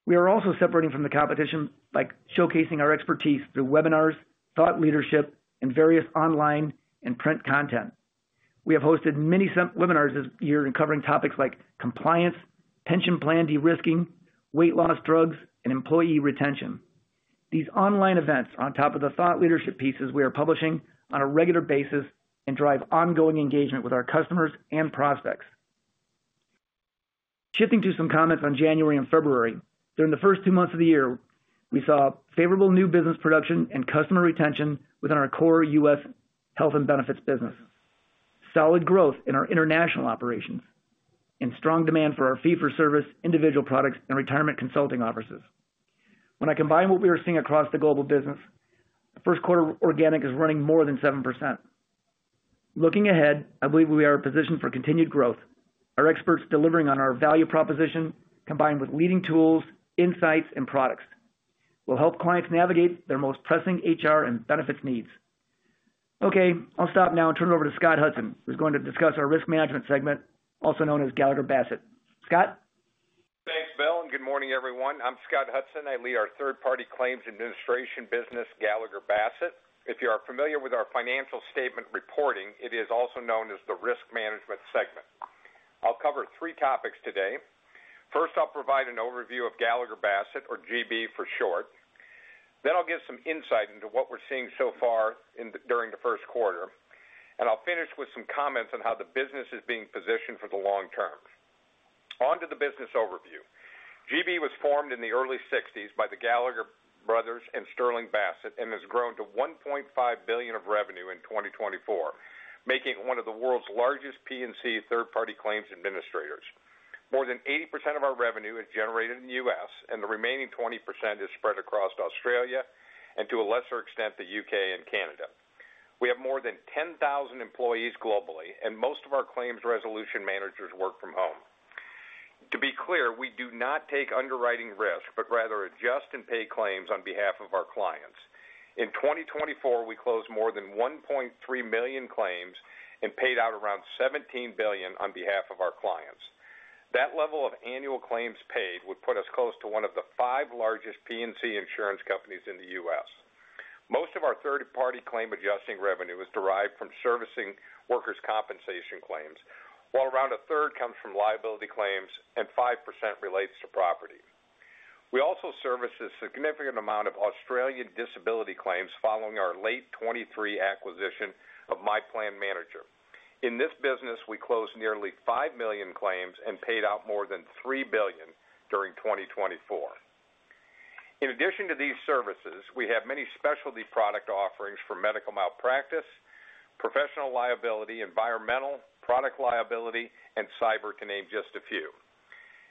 We are also separating from the competition by showcasing our expertise through webinars, thought leadership, and various online and print content. We have hosted many webinars this year covering topics like compliance, pension plan de-risking, weight loss drugs, and employee retention. These online events are on top of the thought leadership pieces we are publishing on a regular basis and drive ongoing engagement with our customers and prospects. Shifting to some comments on January and February, during the first two months of the year, we saw favorable new business production and customer retention within our core U.S. health and benefits business, solid growth in our international operations, and strong demand for our fee-for-service individual products and retirement consulting offices. When I combine what we are seeing across the global business, the first quarter organic is running more than 7%. Looking ahead, I believe we are positioned for continued growth. Our experts delivering on our value proposition, combined with leading tools, insights, and products, will help clients navigate their most pressing HR and benefits needs. Okay, I'll stop now and turn it over to Scott Hudson, who's going to discuss our risk management segment, also known as Gallagher Bassett. Scott? Thanks, Bill. And good morning, everyone. I'm Scott Hudson. I lead our third-party claims administration business, Gallagher Bassett. If you are familiar with our financial statement reporting, it is also known as the risk management segment. I'll cover three topics today. First, I'll provide an overview of Gallagher Bassett, or GB for short. Then I'll give some insight into what we're seeing so far during the first quarter. And I'll finish with some comments on how the business is being positioned for the long term. On to the business overview. GB was formed in the early 1960s by the Gallagher brothers and Sterling Bassett and has grown to $1.5 billion of revenue in 2024, making it one of the world's largest P&C third-party claims administrators. More than 80% of our revenue is generated in the U.S., and the remaining 20% is spread across Australia and, to a lesser extent, the U.K. and Canada. We have more than 10,000 employees globally, and most of our claims resolution managers work from home. To be clear, we do not take underwriting risk, but rather adjust and pay claims on behalf of our clients. In 2024, we closed more than 1.3 million claims and paid out around $17 billion on behalf of our clients. That level of annual claims paid would put us close to one of the five largest P&C insurance companies in the U.S. Most of our third-party claim adjusting revenue is derived from servicing workers' compensation claims, while around a third comes from liability claims, and 5% relates to property. We also service a significant amount of Australian disability claims following our late 2023 acquisition of MyPlan Manager. In this business, we closed nearly 5 million claims and paid out more than $3 billion during 2024. In addition to these services, we have many specialty product offerings for medical malpractice, professional liability, environmental, product liability, and cyber, to name just a few.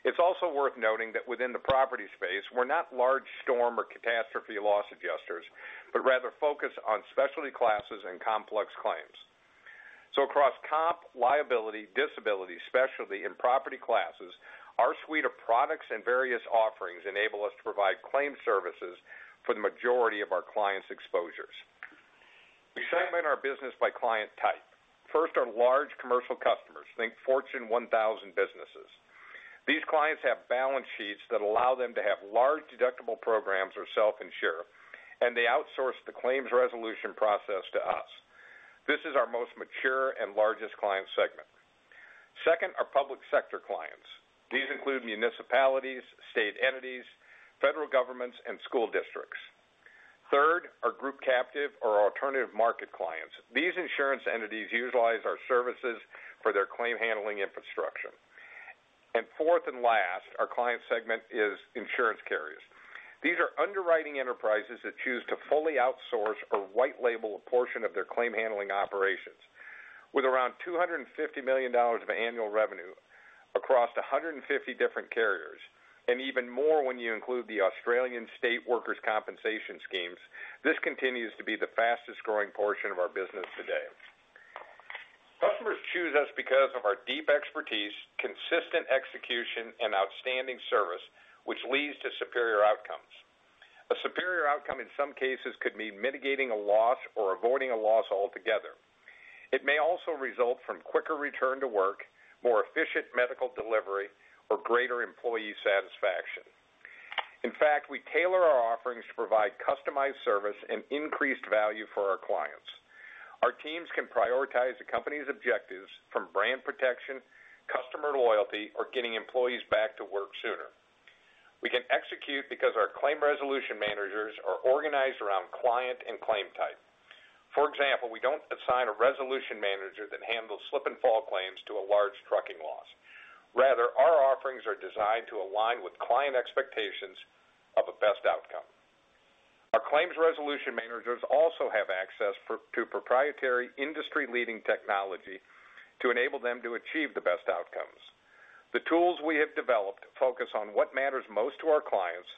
It is also worth noting that within the property space, we are not large storm or catastrophe loss adjusters, but rather focus on specialty classes and complex claims. Across comp, liability, disability, specialty, and property classes, our suite of products and various offerings enable us to provide claim services for the majority of our clients' exposures. We segment our business by client type. First are large commercial customers, think Fortune 1000 businesses. These clients have balance sheets that allow them to have large deductible programs or self-insure, and they outsource the claims resolution process to us. This is our most mature and largest client segment. Second are public sector clients. These include municipalities, state entities, federal governments, and school districts. Third are group captive or alternative market clients. These insurance entities utilize our services for their claim handling infrastructure. Fourth and last, our client segment is insurance carriers. These are underwriting enterprises that choose to fully outsource or white-label a portion of their claim handling operations. With around $250 million of annual revenue across 150 different carriers, and even more when you include the Australian state workers' compensation schemes, this continues to be the fastest-growing portion of our business today. Customers choose us because of our deep expertise, consistent execution, and outstanding service, which leads to superior outcomes. A superior outcome in some cases could mean mitigating a loss or avoiding a loss altogether. It may also result from quicker return to work, more efficient medical delivery, or greater employee satisfaction. In fact, we tailor our offerings to provide customized service and increased value for our clients. Our teams can prioritize the company's objectives from brand protection, customer loyalty, or getting employees back to work sooner. We can execute because our claim resolution managers are organized around client and claim type. For example, we do not assign a resolution manager that handles slip and fall claims to a large trucking loss. Rather, our offerings are designed to align with client expectations of a best outcome. Our claims resolution managers also have access to proprietary industry-leading technology to enable them to achieve the best outcomes. The tools we have developed focus on what matters most to our clients,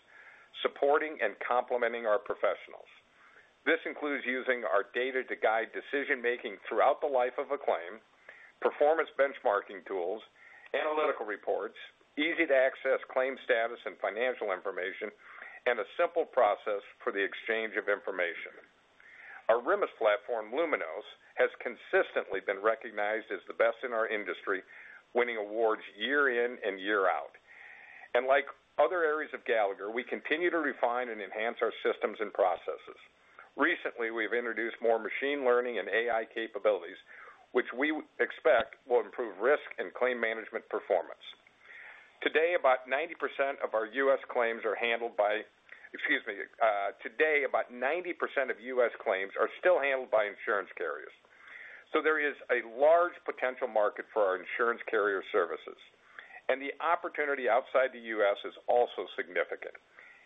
supporting and complementing our professionals. This includes using our data to guide decision-making throughout the life of a claim, performance benchmarking tools, analytical reports, easy-to-access claim status and financial information, and a simple process for the exchange of information. Our REMIS platform, Luminous, has consistently been recognized as the best in our industry, winning awards year in and year out. Like other areas of Gallagher, we continue to refine and enhance our systems and processes. Recently, we have introduced more machine learning and AI capabilities, which we expect will improve risk and claim management performance. Today, about 90% of our U.S. claims are handled by—excuse me—today, about 90% of U..S claims are still handled by insurance carriers. There is a large potential market for our insurance carrier services. The opportunity outside the U.S. is also significant.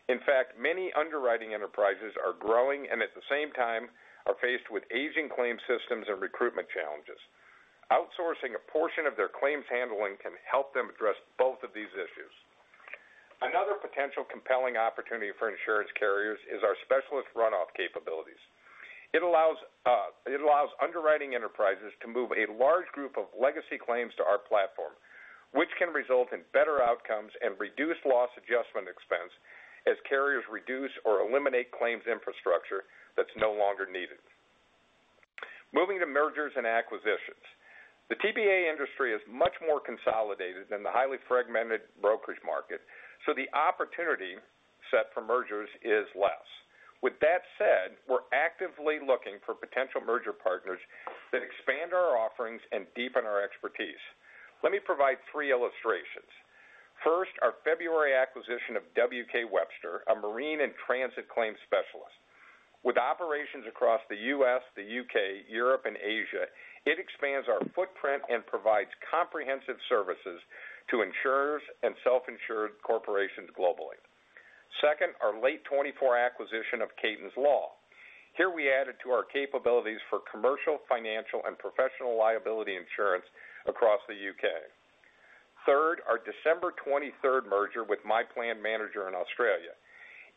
In fact, many underwriting enterprises are growing and, at the same time, are faced with aging claim systems and recruitment challenges. Outsourcing a portion of their claims handling can help them address both of these issues. Another potential compelling opportunity for insurance carriers is our specialist runoff capabilities. It allows underwriting enterprises to move a large group of legacy claims to our platform, which can result in better outcomes and reduced loss adjustment expense as carriers reduce or eliminate claims infrastructure that's no longer needed. Moving to mergers and acquisitions. The TBA industry is much more consolidated than the highly fragmented brokerage market, so the opportunity set for mergers is less. With that said, we're actively looking for potential merger partners that expand our offerings and deepen our expertise. Let me provide three illustrations. First, our February acquisition of W.K. Webster, a marine and transit claims specialist. With operations across the U.S., the U.K., Europe, and Asia, it expands our footprint and provides comprehensive services to insurers and self-insured corporations globally. Second, our late 2024 acquisition of Catons Law. Here we added to our capabilities for commercial, financial, and professional liability insurance across the U.K. Third, our December 23rd merger with MyPlan Manager in Australia.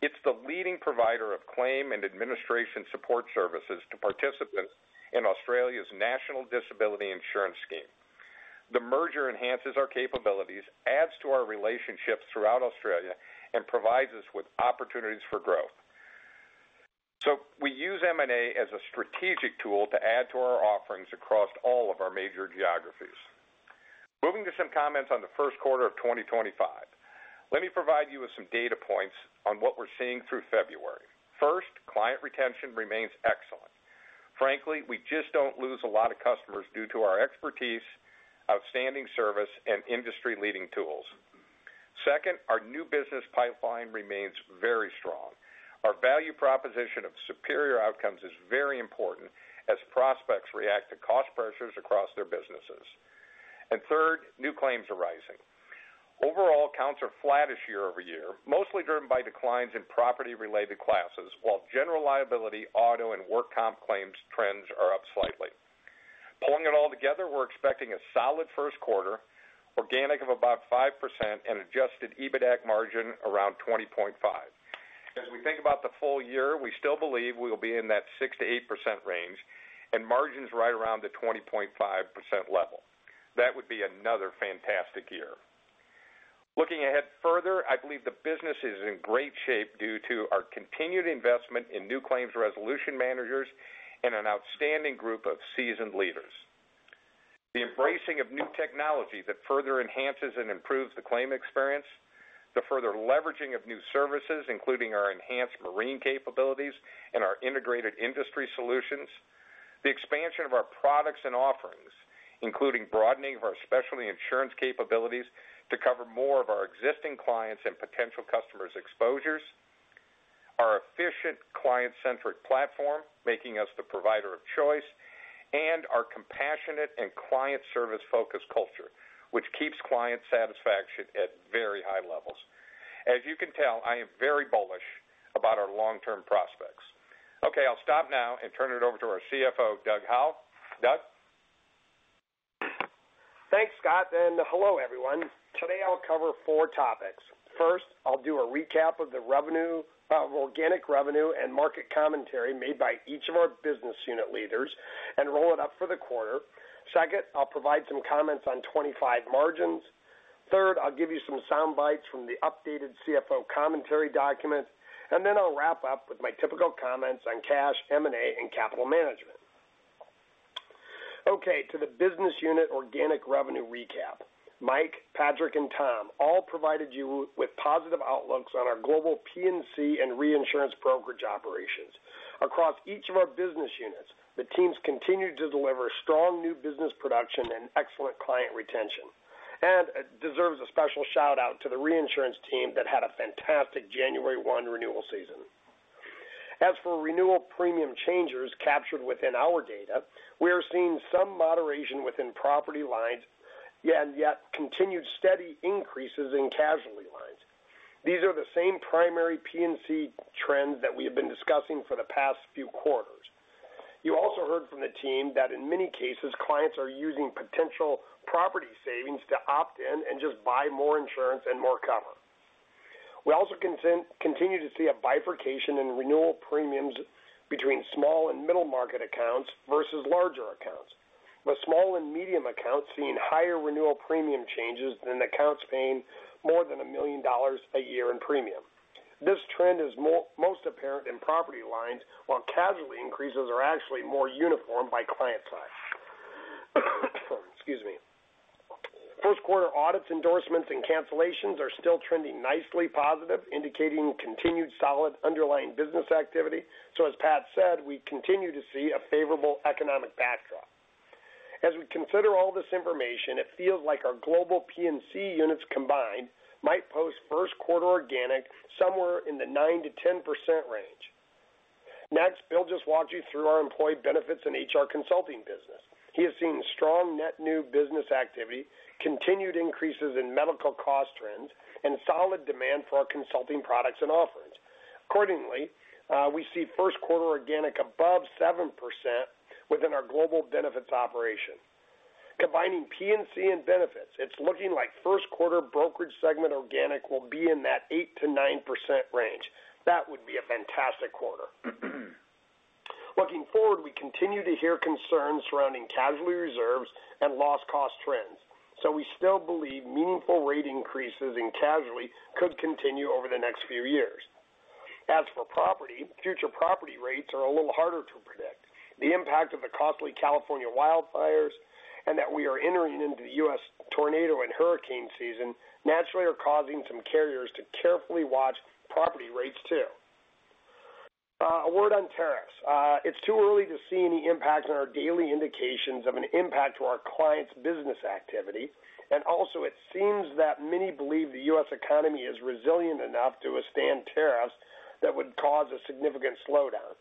It's the leading provider of claim and administration support services to participants in Australia's National Disability Insurance Scheme. The merger enhances our capabilities, adds to our relationships throughout Australia, and provides us with opportunities for growth. We use M&A as a strategic tool to add to our offerings across all of our major geographies. Moving to some comments on the first quarter of 2025. Let me provide you with some data points on what we're seeing through February. First, client retention remains excellent. Frankly, we just don't lose a lot of customers due to our expertise, outstanding service, and industry-leading tools. Second, our new business pipeline remains very strong. Our value proposition of superior outcomes is very important as prospects react to cost pressures across their businesses. Third, new claims are rising. Overall, counts are flat this year over year, mostly driven by declines in property-related classes, while general liability, auto, and work comp claims trends are up slightly. Pulling it all together, we're expecting a solid first quarter, organic of about 5%, and adjusted EBITDA margin around 20.5%. As we think about the full year, we still believe we will be in that 6-8% range and margins right around the 20.5% level. That would be another fantastic year. Looking ahead further, I believe the business is in great shape due to our continued investment in new claims resolution managers and an outstanding group of seasoned leaders. The embracing of new technology that further enhances and improves the claim experience, the further leveraging of new services, including our enhanced marine capabilities and our integrated industry solutions, the expansion of our products and offerings, including broadening of our specialty insurance capabilities to cover more of our existing clients' and potential customers' exposures, our efficient client-centric platform making us the provider of choice, and our compassionate and client-service-focused culture, which keeps client satisfaction at very high levels. As you can tell, I am very bullish about our long-term prospects. Okay, I'll stop now and turn it over to our CFO, Doug Howell. Doug? Thanks, Scott. And hello, everyone. Today, I'll cover four topics. First, I'll do a recap of the revenue, organic revenue, and market commentary made by each of our business unit leaders and roll it up for the quarter. Second, I'll provide some comments on 2025 margins. Third, I'll give you some sound bites from the updated CFO commentary document. Then I'll wrap up with my typical comments on cash, M&A, and capital management. Okay, to the business unit organic revenue recap. Mike, Patrick, and Tom all provided you with positive outlooks on our global P&C and reinsurance brokerage operations. Across each of our business units, the teams continue to deliver strong new business production and excellent client retention. It deserves a special shout-out to the reinsurance team that had a fantastic January 1 renewal season. As for renewal premium changes captured within our data, we are seeing some moderation within property lines and yet continued steady increases in casualty lines. These are the same primary P&C trends that we have been discussing for the past few quarters. You also heard from the team that in many cases, clients are using potential property savings to opt in and just buy more insurance and more cover. We also continue to see a bifurcation in renewal premiums between small and middle market accounts versus larger accounts, with small and medium accounts seeing higher renewal premium changes than accounts paying more than $1 million a year in premium. This trend is most apparent in property lines, while casualty increases are actually more uniform by client size. Excuse me. First quarter audits, endorsements, and cancellations are still trending nicely positive, indicating continued solid underlying business activity. As Pat said, we continue to see a favorable economic backdrop. As we consider all this information, it feels like our global P&C units combined might post first quarter organic somewhere in the 9-10% range. Next, Bill just walked you through our employee benefits and HR consulting business. He has seen strong net new business activity, continued increases in medical cost trends, and solid demand for our consulting products and offerings. Accordingly, we see first quarter organic above 7% within our global benefits operation. Combining P&C and benefits, it's looking like first quarter brokerage segment organic will be in that 8-9% range. That would be a fantastic quarter. Looking forward, we continue to hear concerns surrounding casualty reserves and loss cost trends. We still believe meaningful rate increases in casualty could continue over the next few years. As for property, future property rates are a little harder to predict. The impact of the costly California wildfires and that we are entering into the U.S. tornado and hurricane season naturally are causing some carriers to carefully watch property rates too. A word on tariffs. It's too early to see any impact on our daily indications of an impact to our clients' business activity. Also, it seems that many believe the U.S. economy is resilient enough to withstand tariffs that would cause a significant slowdown.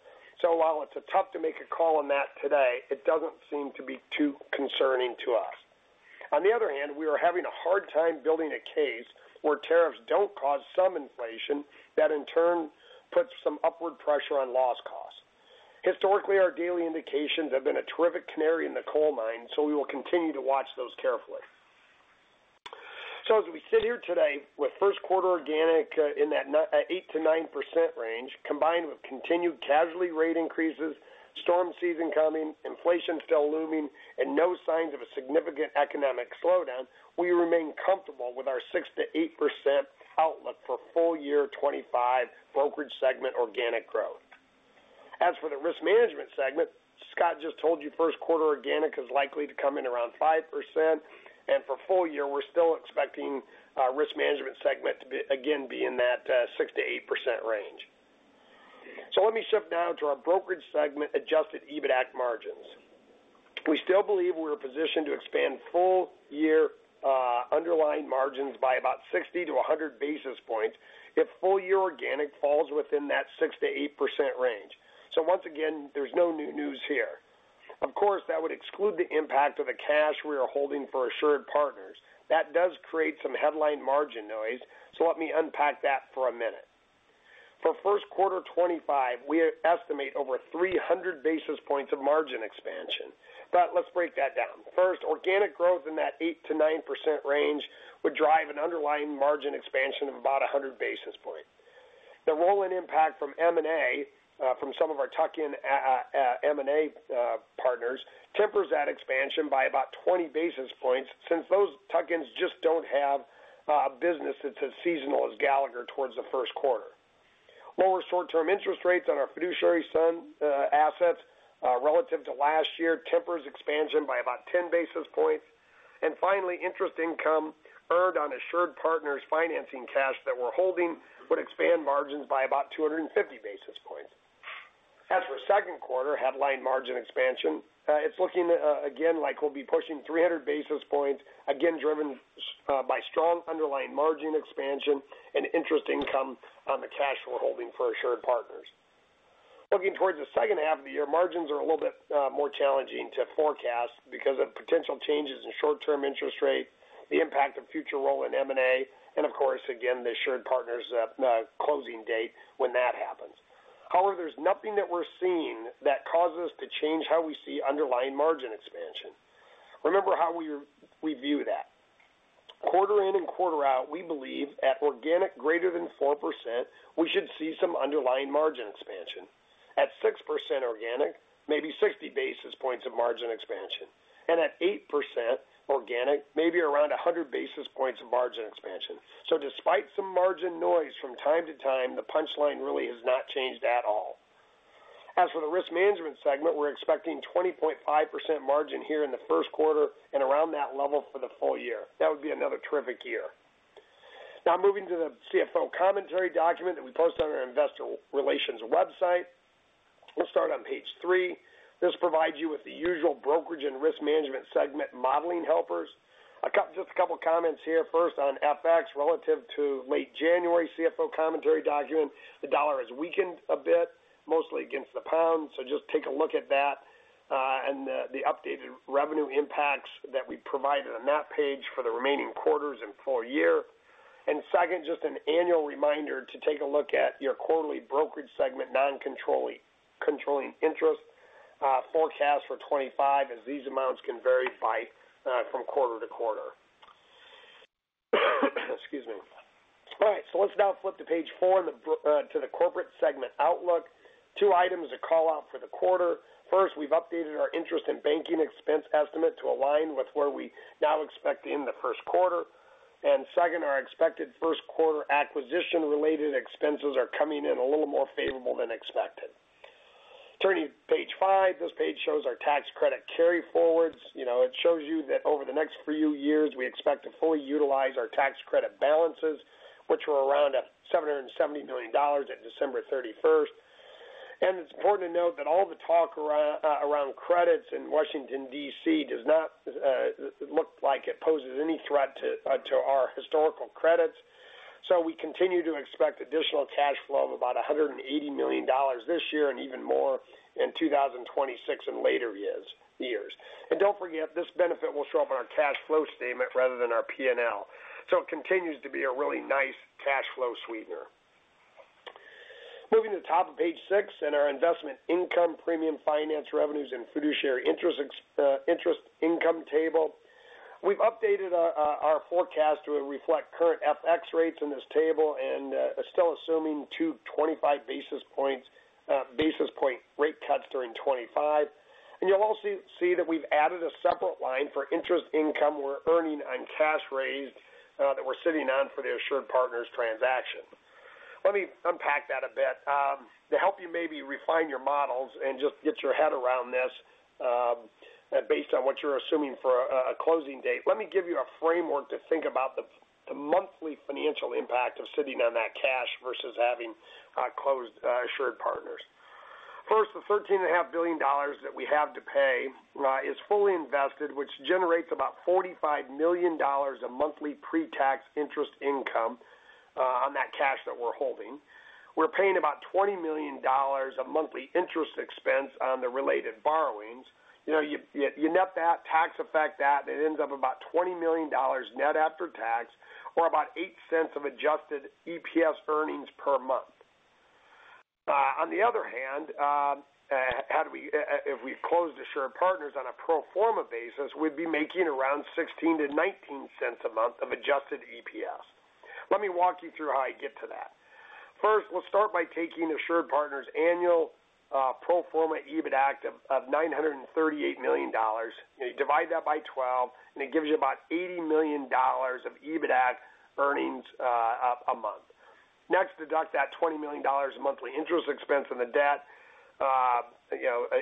While it's tough to make a call on that today, it doesn't seem to be too concerning to us. On the other hand, we are having a hard time building a case where tariffs don't cause some inflation that in turn puts some upward pressure on loss costs. Historically, our daily indications have been a terrific canary in the coal mine, so we will continue to watch those carefully. As we sit here today with first quarter organic in that 8-9% range, combined with continued casualty rate increases, storm season coming, inflation still looming, and no signs of a significant economic slowdown, we remain comfortable with our 6-8% outlook for full year 2025 brokerage segment organic growth. As for the risk management segment, Scott just told you first quarter organic is likely to come in around 5%. For full year, we're still expecting risk management segment to again be in that 6-8% range. Let me shift now to our brokerage segment adjusted EBITDA margins. We still believe we're positioned to expand full year underlying margins by about 60-100 basis points if full year organic falls within that 6-8% range. Once again, there's no new news here. Of course, that would exclude the impact of the cash we are holding for AssuredPartners. That does create some headline margin noise. Let me unpack that for a minute. For first quarter 2025, we estimate over 300 basis points of margin expansion. Let's break that down. First, organic growth in that 8-9% range would drive an underlying margin expansion of about 100 basis points. The rolling impact from M&A from some of our tuck-in M&A partners tempers that expansion by about 20 basis points since those tuck-ins just don't have a business that's as seasonal as Gallagher towards the first quarter. Lower short-term interest rates on our fiduciary assets relative to last year tempers expansion by about 10 basis points. Finally, interest income earned on AssuredPartners financing cash that we're holding would expand margins by about 250 basis points. As for second quarter headline margin expansion, it's looking again like we'll be pushing 300 basis points, again driven by strong underlying margin expansion and interest income on the cash we're holding for AssuredPartners. Looking towards the second half of the year, margins are a little bit more challenging to forecast because of potential changes in short-term interest rate, the impact of future rolling M&A, and of course, again, the AssuredPartners closing date when that happens. However, there's nothing that we're seeing that causes us to change how we see underlying margin expansion. Remember how we view that. Quarter in and quarter out, we believe at organic greater than 4%, we should see some underlying margin expansion. At 6% organic, maybe 60 basis points of margin expansion. At 8% organic, maybe around 100 basis points of margin expansion. Despite some margin noise from time to time, the punchline really has not changed at all. As for the risk management segment, we're expecting 20.5% margin here in the first quarter and around that level for the full year. That would be another terrific year. Now, moving to the CFO commentary document that we posted on our Investor Relations website. We'll start on page three. This provides you with the usual brokerage and risk management segment modeling helpers. Just a couple of comments here. First, on FX relative to late January CFO commentary document, the dollar has weakened a bit, mostly against the pound. Just take a look at that and the updated revenue impacts that we provided on that page for the remaining quarters and full year. Second, just an annual reminder to take a look at your quarterly brokerage segment non-controlling interest forecast for 2025 as these amounts can vary from quarter to quarter. Excuse me. All right. Let's now flip to page four to the corporate segment outlook. Two items to call out for the quarter. First, we've updated our interest and banking expense estimate to align with where we now expect in the first quarter. Second, our expected first quarter acquisition-related expenses are coming in a little more favorable than expected. Turning to page five, this page shows our tax credit carry forwards. It shows you that over the next few years, we expect to fully utilize our tax credit balances, which were around $770 million at December 31. It is important to note that all the talk around credits in Washington, D.C. does not look like it poses any threat to our historical credits. We continue to expect additional cash flow of about $180 million this year and even more in 2026 and later years. Do not forget, this benefit will show up on our cash flow statement rather than our P&L. It continues to be a really nice cash flow sweetener. Moving to the top of page six in our investment income premium finance revenues and fiduciary interest income table. We have updated our forecast to reflect current FX rates in this table and still assuming two 25 basis point rate cuts during 2025. You'll also see that we've added a separate line for interest income we're earning on cash raised that we're sitting on for the AssuredPartners transaction. Let me unpack that a bit. To help you maybe refine your models and just get your head around this based on what you're assuming for a closing date, let me give you a framework to think about the monthly financial impact of sitting on that cash versus having closed AssuredPartners. First, the $13.5 billion that we have to pay is fully invested, which generates about $45 million of monthly pre-tax interest income on that cash that we're holding. We're paying about $20 million of monthly interest expense on the related borrowings. You net that, tax effect that, it ends up about $20 million net after tax or about $0.08 of adjusted EPS earnings per month. On the other hand, if we closed AssuredPartners on a pro forma basis, we'd be making around $0.16-$0.19 a month of adjusted EPS. Let me walk you through how I get to that. First, we'll start by taking AssuredPartners' annual pro forma EBITDA of $938 million. You divide that by 12, and it gives you about $80 million of EBITDA earnings a month. Next, deduct that $20 million of monthly interest expense in the debt,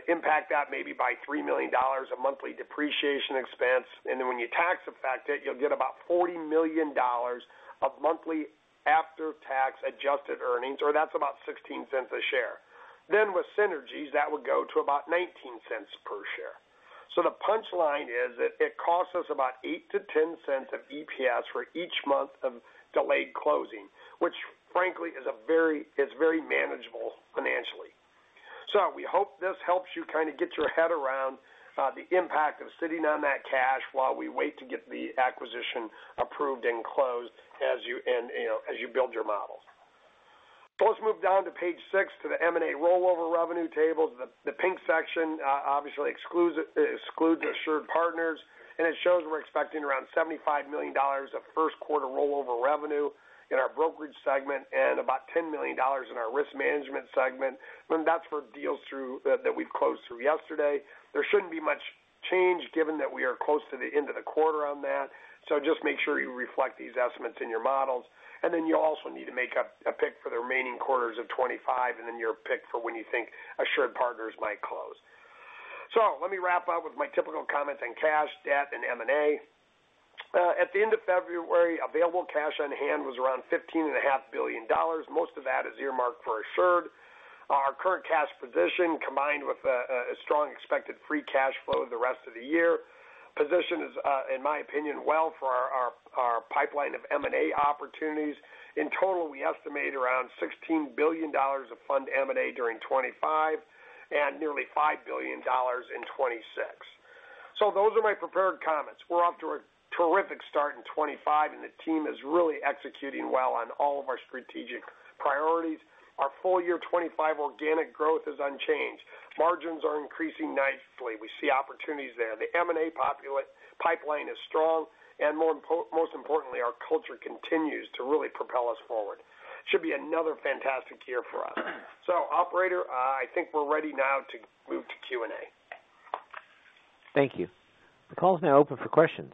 impact that maybe by $3 million of monthly depreciation expense. And then when you tax effect it, you'll get about $40 million of monthly after-tax adjusted earnings, or that's about $0.16 a share. Then with synergies, that would go to about $0.19 per share. The punchline is that it costs us about $0.08-$0.10 of EPS for each month of delayed closing, which frankly is very manageable financially. We hope this helps you kind of get your head around the impact of sitting on that cash while we wait to get the acquisition approved and closed as you build your models. Let's move down to page six to the M&A rollover revenue tables. The pink section obviously excludes AssuredPartners, and it shows we're expecting around $75 million of first quarter rollover revenue in our brokerage segment and about $10 million in our risk management segment. That's for deals that we've closed through yesterday. There shouldn't be much change given that we are close to the end of the quarter on that. Just make sure you reflect these estimates in your models. You will also need to make a pick for the remaining quarters of 2025, and then your pick for when you think AssuredPartners might close. Let me wrap up with my typical comments on cash, debt, and M&A. At the end of February, available cash on hand was around $15.5 billion. Most of that is earmarked for Assured. Our current cash position, combined with a strong expected free cash flow the rest of the year, positions, in my opinion, well for our pipeline of M&A opportunities. In total, we estimate around $16 billion of fund M&A during 2025 and nearly $5 billion in 2026. Those are my prepared comments. We are off to a terrific start in 2025, and the team is really executing well on all of our strategic priorities. Our full year 2025 organic growth is unchanged. Margins are increasing nicely. We see opportunities there. The M&A pipeline is strong, and most importantly, our culture continues to really propel us forward. It should be another fantastic year for us. Operator, I think we're ready now to move to Q&A. Thank you. The call is now open for questions.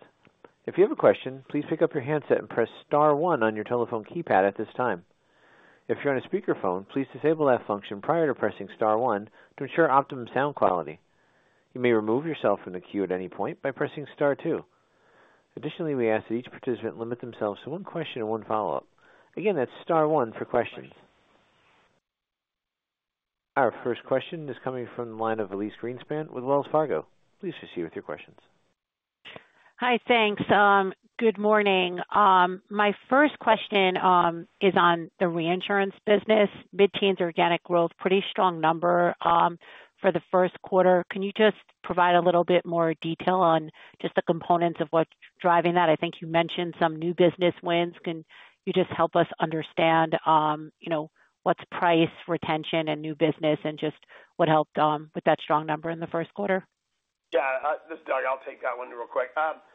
If you have a question, please pick up your handset and press Star one on your telephone keypad at this time. If you're on a speakerphone, please disable that function prior to pressing Star one to ensure optimum sound quality. You may remove yourself from the queue at any point by pressing Star two. Additionally, we ask that each participant limit themselves to one question and one follow-up. Again, that's Star one for questions. Our first question is coming from the line of Elise Greenspan with Wells Fargo. Please proceed with your questions. Hi, thanks. Good morning. My first question is on the reinsurance business. Mid-teens organic growth, pretty strong number for the first quarter. Can you just provide a little bit more detail on just the components of what's driving that? I think you mentioned some new business wins. Can you just help us understand what's price, retention, and new business, and just what helped with that strong number in the first quarter? Yeah. I'll take that one real quick.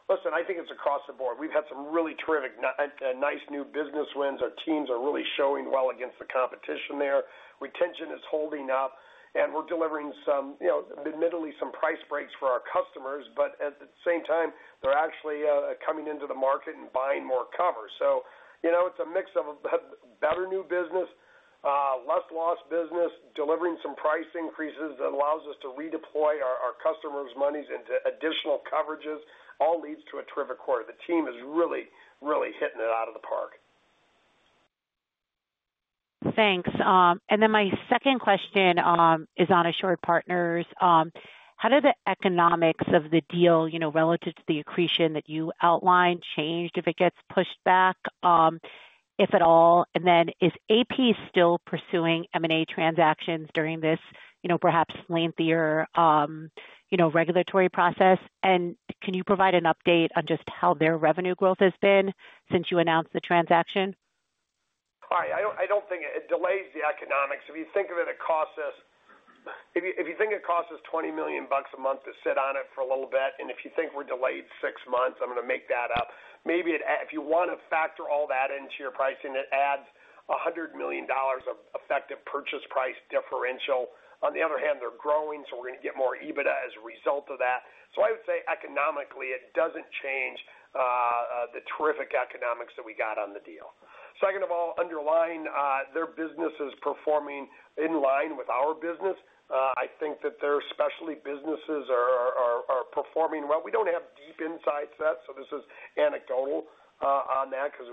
Listen, I think it's across the board. We've had some really terrific, nice new business wins. Our teams are really showing well against the competition there. Retention is holding up, and we're delivering admittedly some price breaks for our customers, but at the same time, they're actually coming into the market and buying more covers. It is a mix of better new business, less lost business, delivering some price increases that allows us to redeploy our customers' monies into additional coverages, all leads to a terrific quarter. The team is really, really hitting it out of the park. Thanks. My second question is on AssuredPartners. How did the economics of the deal relative to the accretion that you outlined change if it gets pushed back, if at all? Is AP still pursuing M&A transactions during this perhaps lengthier regulatory process? Can you provide an update on just how their revenue growth has been since you announced the transaction? I don't think it delays the economics. If you think of it, it costs us, if you think it costs us $20 million a month to sit on it for a little bit, and if you think we're delayed six months, I'm going to make that up. Maybe if you want to factor all that into your pricing, it adds $100 million of effective purchase price differential. On the other hand, they're growing, so we're going to get more EBITDA as a result of that. I would say economically, it doesn't change the terrific economics that we got on the deal. Second of all, underline, their business is performing in line with our business. I think that their specialty businesses are performing well. We don't have deep insights yet, so this is anecdotal on that because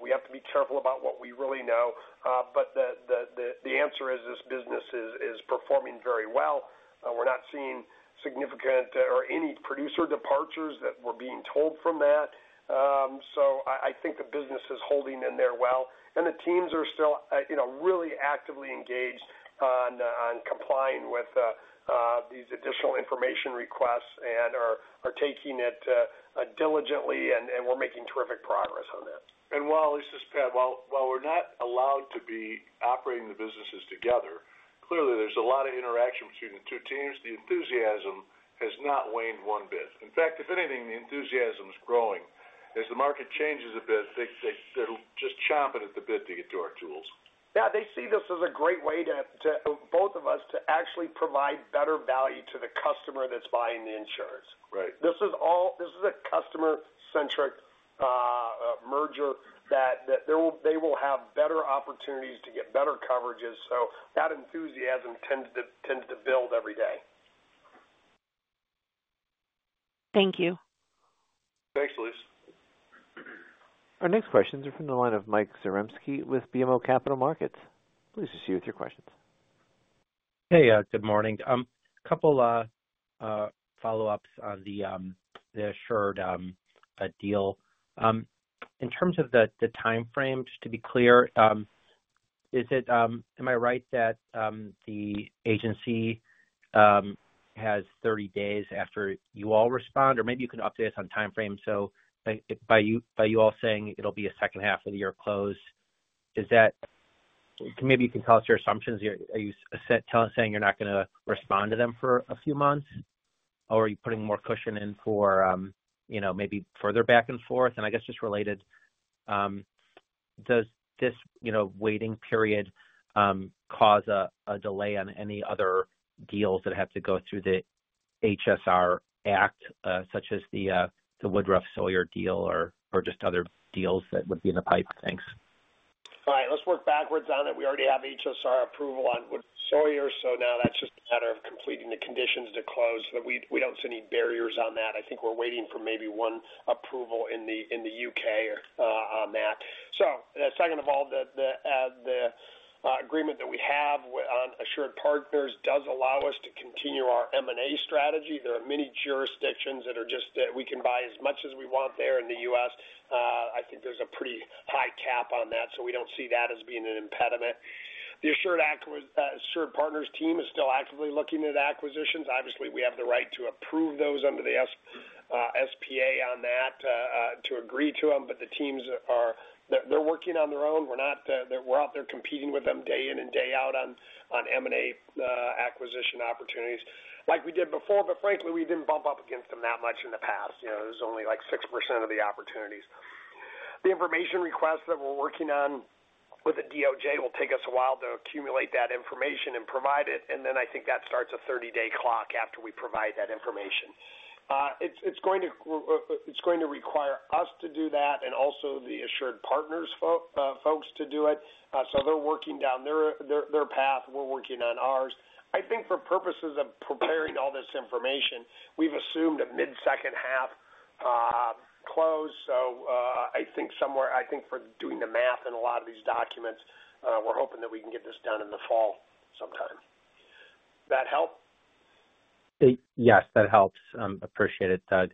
we have to be careful about what we really know. The answer is this business is performing very well. We're not seeing significant or any producer departures that we're being told from that. I think the business is holding in there well. The teams are still really actively engaged on complying with these additional information requests and are taking it diligently, and we're making terrific progress on that. While we're not allowed to be operating the businesses together, clearly there's a lot of interaction between the two teams. The enthusiasm has not waned one bit. In fact, if anything, the enthusiasm is growing. As the market changes a bit, they're just chomping at the bit to get to our tools. Yeah. They see this as a great way for both of us to actually provide better value to the customer that's buying the insurance. Right. This is a customer-centric merger that they will have better opportunities to get better coverages. That enthusiasm tends to build every day. Thank you. Thanks, Elise. Our next questions are from the line of Mike Zarembski with BMO Capital Markets. Please proceed with your questions. Hey, good morning. A couple of follow-ups on the AssuredPartners deal. In terms of the timeframe, just to be clear, am I right that the agency has 30 days after you all respond? Maybe you can update us on timeframe. By you all saying it'll be a second half of the year close, maybe you can tell us your assumptions. Are you saying you're not going to respond to them for a few months? Are you putting more cushion in for maybe further back and forth? I guess just related, does this waiting period cause a delay on any other deals that have to go through the HSR Act, such as the Woodruff Sawyer deal or just other deals that would be in the pipe? Thanks. All right. Let's work backwards on it. We already have HSR approval on Woodruff Sawyer, so now that's just a matter of completing the conditions to close. We don't see any barriers on that. I think we're waiting for maybe one approval in the U.K. on that. The agreement that we have on AssuredPartners does allow us to continue our M&A strategy. There are many jurisdictions that we can buy as much as we want there in the U.S. I think there's a pretty high cap on that, so we don't see that as being an impediment. The AssuredPartners team is still actively looking at acquisitions. Obviously, we have the right to approve those under the SPA on that to agree to them, but the teams are working on their own. We're out there competing with them day in and day out on M&A acquisition opportunities like we did before, but frankly, we didn't bump up against them that much in the past. It was only like 6% of the opportunities. The information requests that we're working on with the DOJ will take us a while to accumulate that information and provide it, and then I think that starts a 30-day clock after we provide that information. It's going to require us to do that and also the AssuredPartners folks to do it. They're working down their path. We're working on ours. I think for purposes of preparing all this information, we've assumed a mid-second half close. I think for doing the math in a lot of these documents, we're hoping that we can get this done in the fall sometime. Does that help? Yes, that helps. Appreciate it, Doug.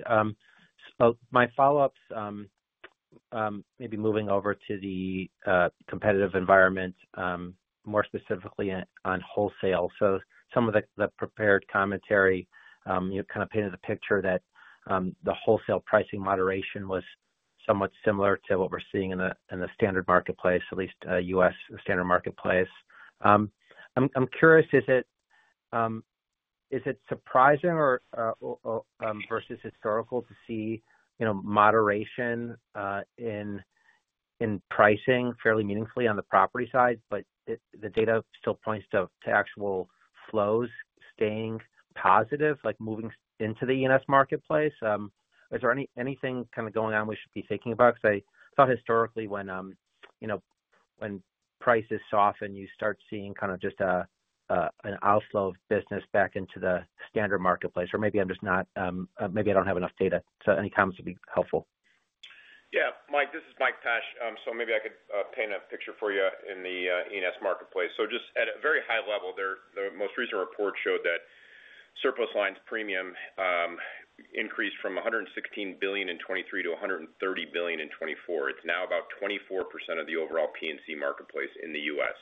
My follow-ups, maybe moving over to the competitive environment, more specifically on wholesale. Some of the prepared commentary kind of painted the picture that the wholesale pricing moderation was somewhat similar to what we're seeing in the standard marketplace, at least U.S. standard marketplace. I'm curious, is it surprising versus historical to see moderation in pricing fairly meaningfully on the property side, but the data still points to actual flows staying positive, like moving into the E&S marketplace? Is there anything kind of going on we should be thinking about? I thought historically when prices soften, you start seeing kind of just an outflow of business back into the standard marketplace. Or maybe I don't—maybe I don't have enough data. Any comments would be helpful. Yeah. Mike, this is Mike Pesch. Maybe I could paint a picture for you in the E&S marketplace. Just at a very high level, the most recent report showed that Surplus Lines Premium increased from $116 billion in 2023 to $130 billion in 2024. It is now about 24% of the overall P&C marketplace in the U.S.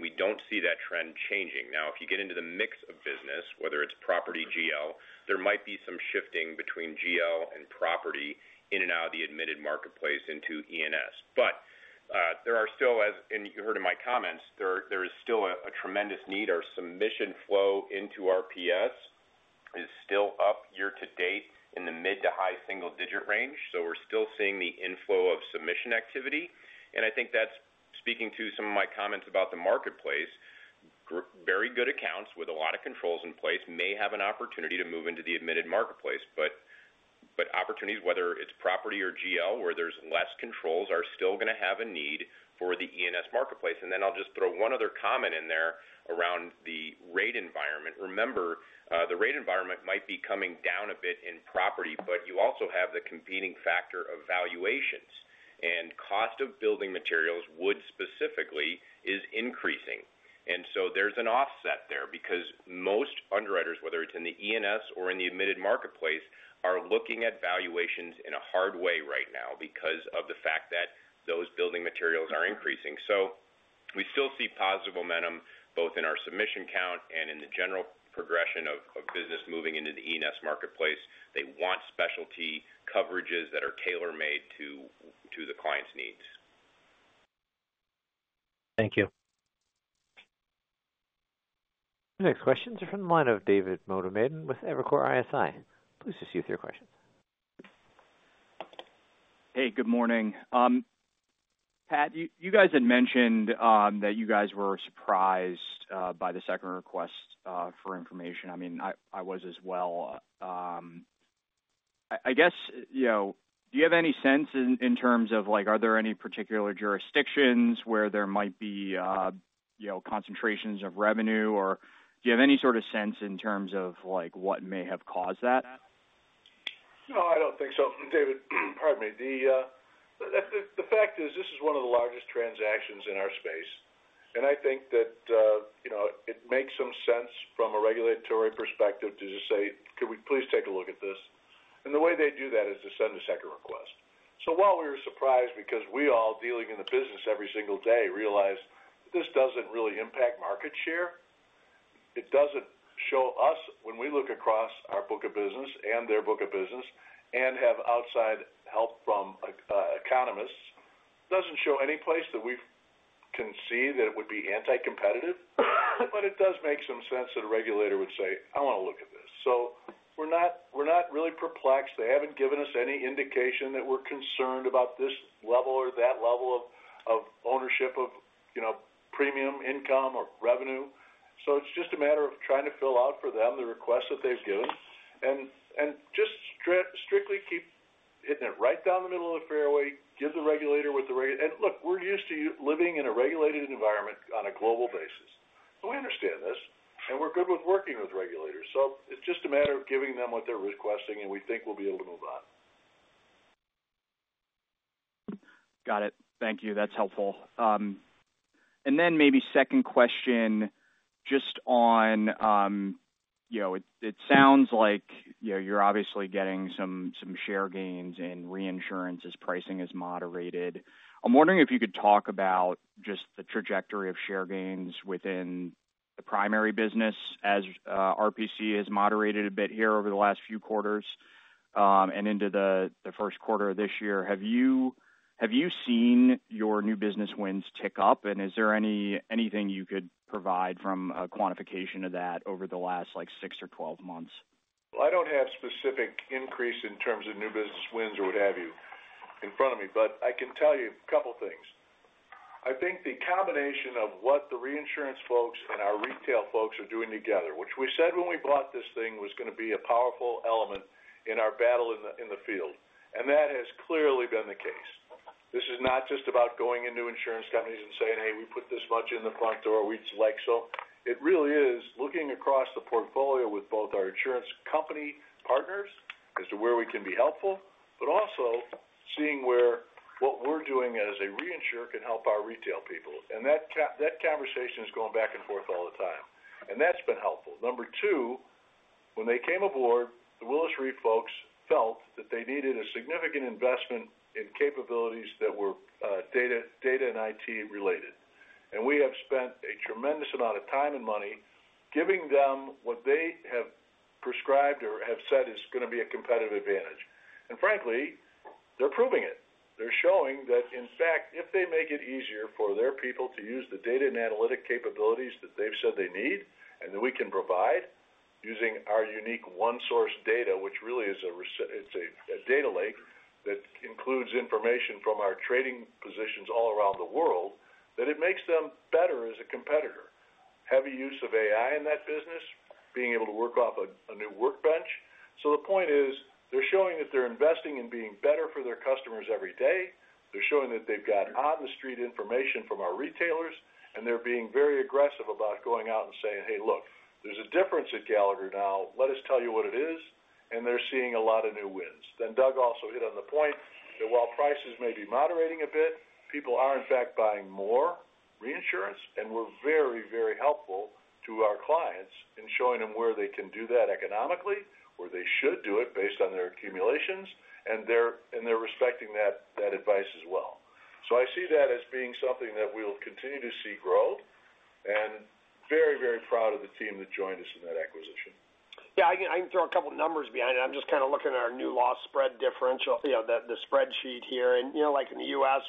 We do not see that trend changing. If you get into the mix of business, whether it is property GL, there might be some shifting between GL and property in and out of the admitted marketplace into E&S. There are still, and you heard in my comments, there is still a tremendous need. Our submission flow into RPS is still up year to date in the mid to high single-digit range. We are still seeing the inflow of submission activity. I think that is speaking to some of my comments about the marketplace. Very good accounts with a lot of controls in place may have an opportunity to move into the admitted marketplace. Opportunities, whether it's property or GL, where there's less controls, are still going to have a need for the E&S marketplace. I'll just throw one other comment in there around the rate environment. Remember, the rate environment might be coming down a bit in property, but you also have the competing factor of valuations. Cost of building materials, wood specifically, is increasing. There's an offset there because most underwriters, whether it's in the E&S or in the admitted marketplace, are looking at valuations in a hard way right now because of the fact that those building materials are increasing. We still see positive momentum both in our submission count and in the general progression of business moving into the E&S marketplace. They want specialty coverages that are tailor-made to the client's needs. Thank you. Next questions are from the line of David Motemaden with Evercore ISI. Please proceed with your questions. Hey, good morning. Pat, you guys had mentioned that you guys were surprised by the second request for information. I mean, I was as well. I guess, do you have any sense in terms of are there any particular jurisdictions where there might be concentrations of revenue? Or do you have any sort of sense in terms of what may have caused that? No, I don't think so. David, pardon me. The fact is this is one of the largest transactions in our space. I think that it makes some sense from a regulatory perspective to just say, "Could we please take a look at this?" The way they do that is to send a second request. While we were surprised because we all dealing in the business every single day realized this doesn't really impact market share. It doesn't show us, when we look across our book of business and their book of business and have outside help from economists, it doesn't show any place that we can see that it would be anti-competitive. It does make some sense that a regulator would say, "I want to look at this." We're not really perplexed. They haven't given us any indication that we're concerned about this level or that level of ownership of premium income or revenue. It is just a matter of trying to fill out for them the request that they've given and just strictly keep hitting it right down the middle of the fairway, give the regulator what the—and look, we're used to living in a regulated environment on a global basis. We understand this, and we're good with working with regulators. It is just a matter of giving them what they're requesting, and we think we'll be able to move on. Got it. Thank you. That's helpful. Maybe second question just on it sounds like you're obviously getting some share gains in reinsurance as pricing has moderated. I'm wondering if you could talk about just the trajectory of share gains within the primary business as RPC has moderated a bit here over the last few quarters and into the first quarter of this year. Have you seen your new business wins tick up? Is there anything you could provide from a quantification of that over the last 6 or 12 months? I don't have specific increase in terms of new business wins or what have you in front of me, but I can tell you a couple of things. I think the combination of what the reinsurance folks and our retail folks are doing together, which we said when we bought this thing was going to be a powerful element in our battle in the field. That has clearly been the case. This is not just about going into insurance companies and saying, "Hey, we put this much in the front door, we'd like so." It really is looking across the portfolio with both our insurance company partners as to where we can be helpful, but also seeing where what we're doing as a reinsurer can help our retail people. That conversation is going back and forth all the time. That's been helpful. Number two, when they came aboard, the Willis Re folks felt that they needed a significant investment in capabilities that were data and IT related. We have spent a tremendous amount of time and money giving them what they have prescribed or have said is going to be a competitive advantage. Frankly, they are proving it. They are showing that, in fact, if they make it easier for their people to use the data and analytic capabilities that they have said they need and that we can provide using our unique one-source data, which really is a data lake that includes information from our trading positions all around the world, it makes them better as a competitor. Heavy use of AI in that business, being able to work off a new workbench. The point is they are showing that they are investing in being better for their customers every day. They're showing that they've got on-the-street information from our retailers, and they're being very aggressive about going out and saying, "Hey, look, there's a difference at Gallagher now. Let us tell you what it is." They're seeing a lot of new wins. Doug also hit on the point that while prices may be moderating a bit, people are in fact buying more reinsurance, and we're very, very helpful to our clients in showing them where they can do that economically, where they should do it based on their accumulations, and they're respecting that advice as well. I see that as being something that we'll continue to see grow, and very, very proud of the team that joined us in that acquisition. Yeah. I can throw a couple of numbers behind it. I'm just kind of looking at our new loss spread differential, the spreadsheet here. Like in the U.S.,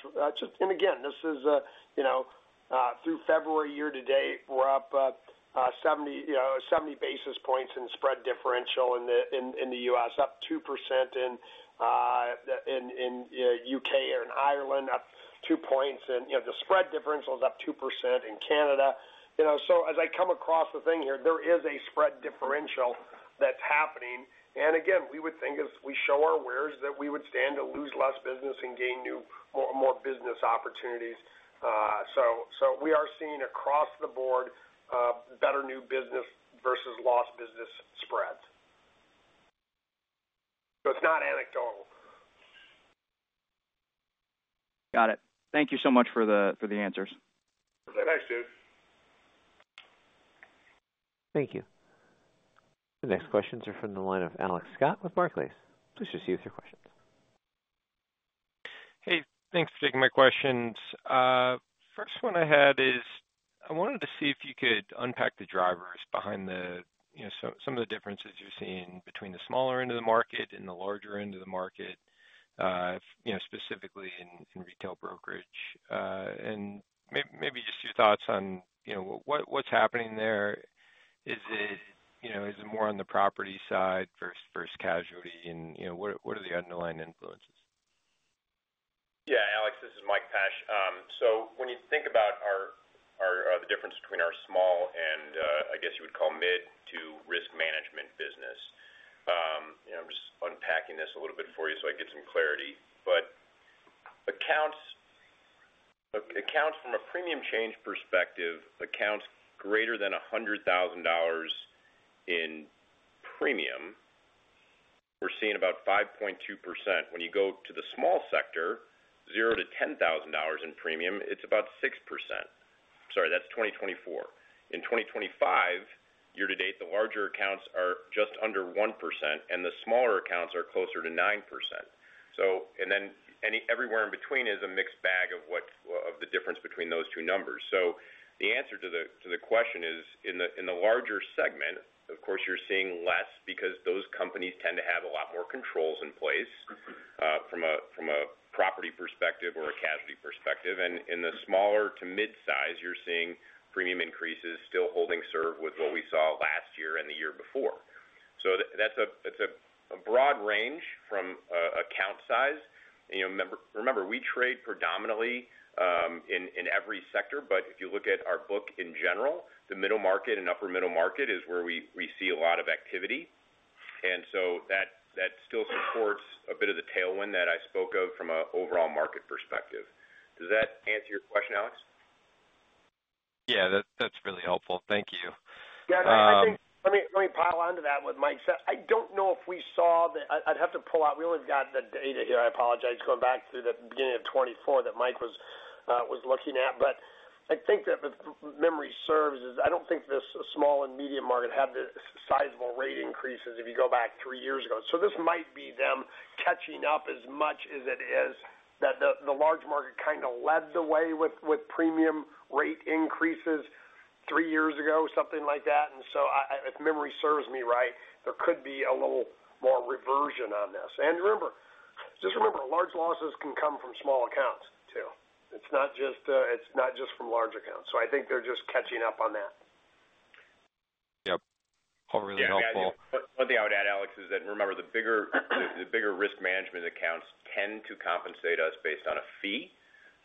and again, this is through February year to date, we're up 70 basis points in spread differential in the U.S., up 2% in U.K. and Ireland, up 2 points. The spread differential is up 2% in Canada. As I come across the thing here, there is a spread differential that's happening. Again, we would think as we show our wares that we would stand to lose less business and gain more business opportunities. We are seeing across the board better new business versus lost business spreads. It's not anecdotal. Got it. Thank you so much for the answers. Thanks, dude. Thank you. The next questions are from the line of Alex Scott with Barclays. Please proceed with your questions. Hey, thanks for taking my questions. First one I had is I wanted to see if you could unpack the drivers behind some of the differences you're seeing between the smaller end of the market and the larger end of the market, specifically in retail brokerage. Maybe just your thoughts on what's happening there. Is it more on the property side versus casualty? What are the underlying influences? Yeah. Alex, this is Mike Pesch. When you think about the difference between our small and, I guess you would call, mid-to-risk management business, I'm just unpacking this a little bit for you so I get some clarity. Accounts from a premium change perspective, accounts greater than $100,000 in premium, we're seeing about 5.2%. When you go to the small sector, $0-$10,000 in premium, it's about 6%. Sorry, that's 2024. In 2025, year to date, the larger accounts are just under 1%, and the smaller accounts are closer to 9%. Everywhere in between is a mixed bag of the difference between those two numbers. The answer to the question is, in the larger segment, of course, you're seeing less because those companies tend to have a lot more controls in place from a property perspective or a casualty perspective. In the smaller to mid-size, you're seeing premium increases still holding serve with what we saw last year and the year before. That is a broad range from account size. Remember, we trade predominantly in every sector, but if you look at our book in general, the middle market and upper middle market is where we see a lot of activity. That still supports a bit of the tailwind that I spoke of from an overall market perspective. Does that answer your question, Alex? Yeah. That's really helpful. Thank you. Yeah. Let me pile onto that with Mike's. I don't know if we saw the—I’d have to pull out. We only got the data here. I apologize. Going back to the beginning of 2024 that Mike was looking at. I think that, if memory serves, I don't think the small and medium market had the sizable rate increases if you go back three years ago. This might be them catching up as much as it is that the large market kind of led the way with premium rate increases three years ago, something like that. If memory serves me right, there could be a little more reversion on this. Just remember, large losses can come from small accounts too. It's not just from large accounts. I think they're just catching up on that. Yep. All really helpful. One thing I would add, Alex, is that remember the bigger risk management accounts tend to compensate us based on a fee.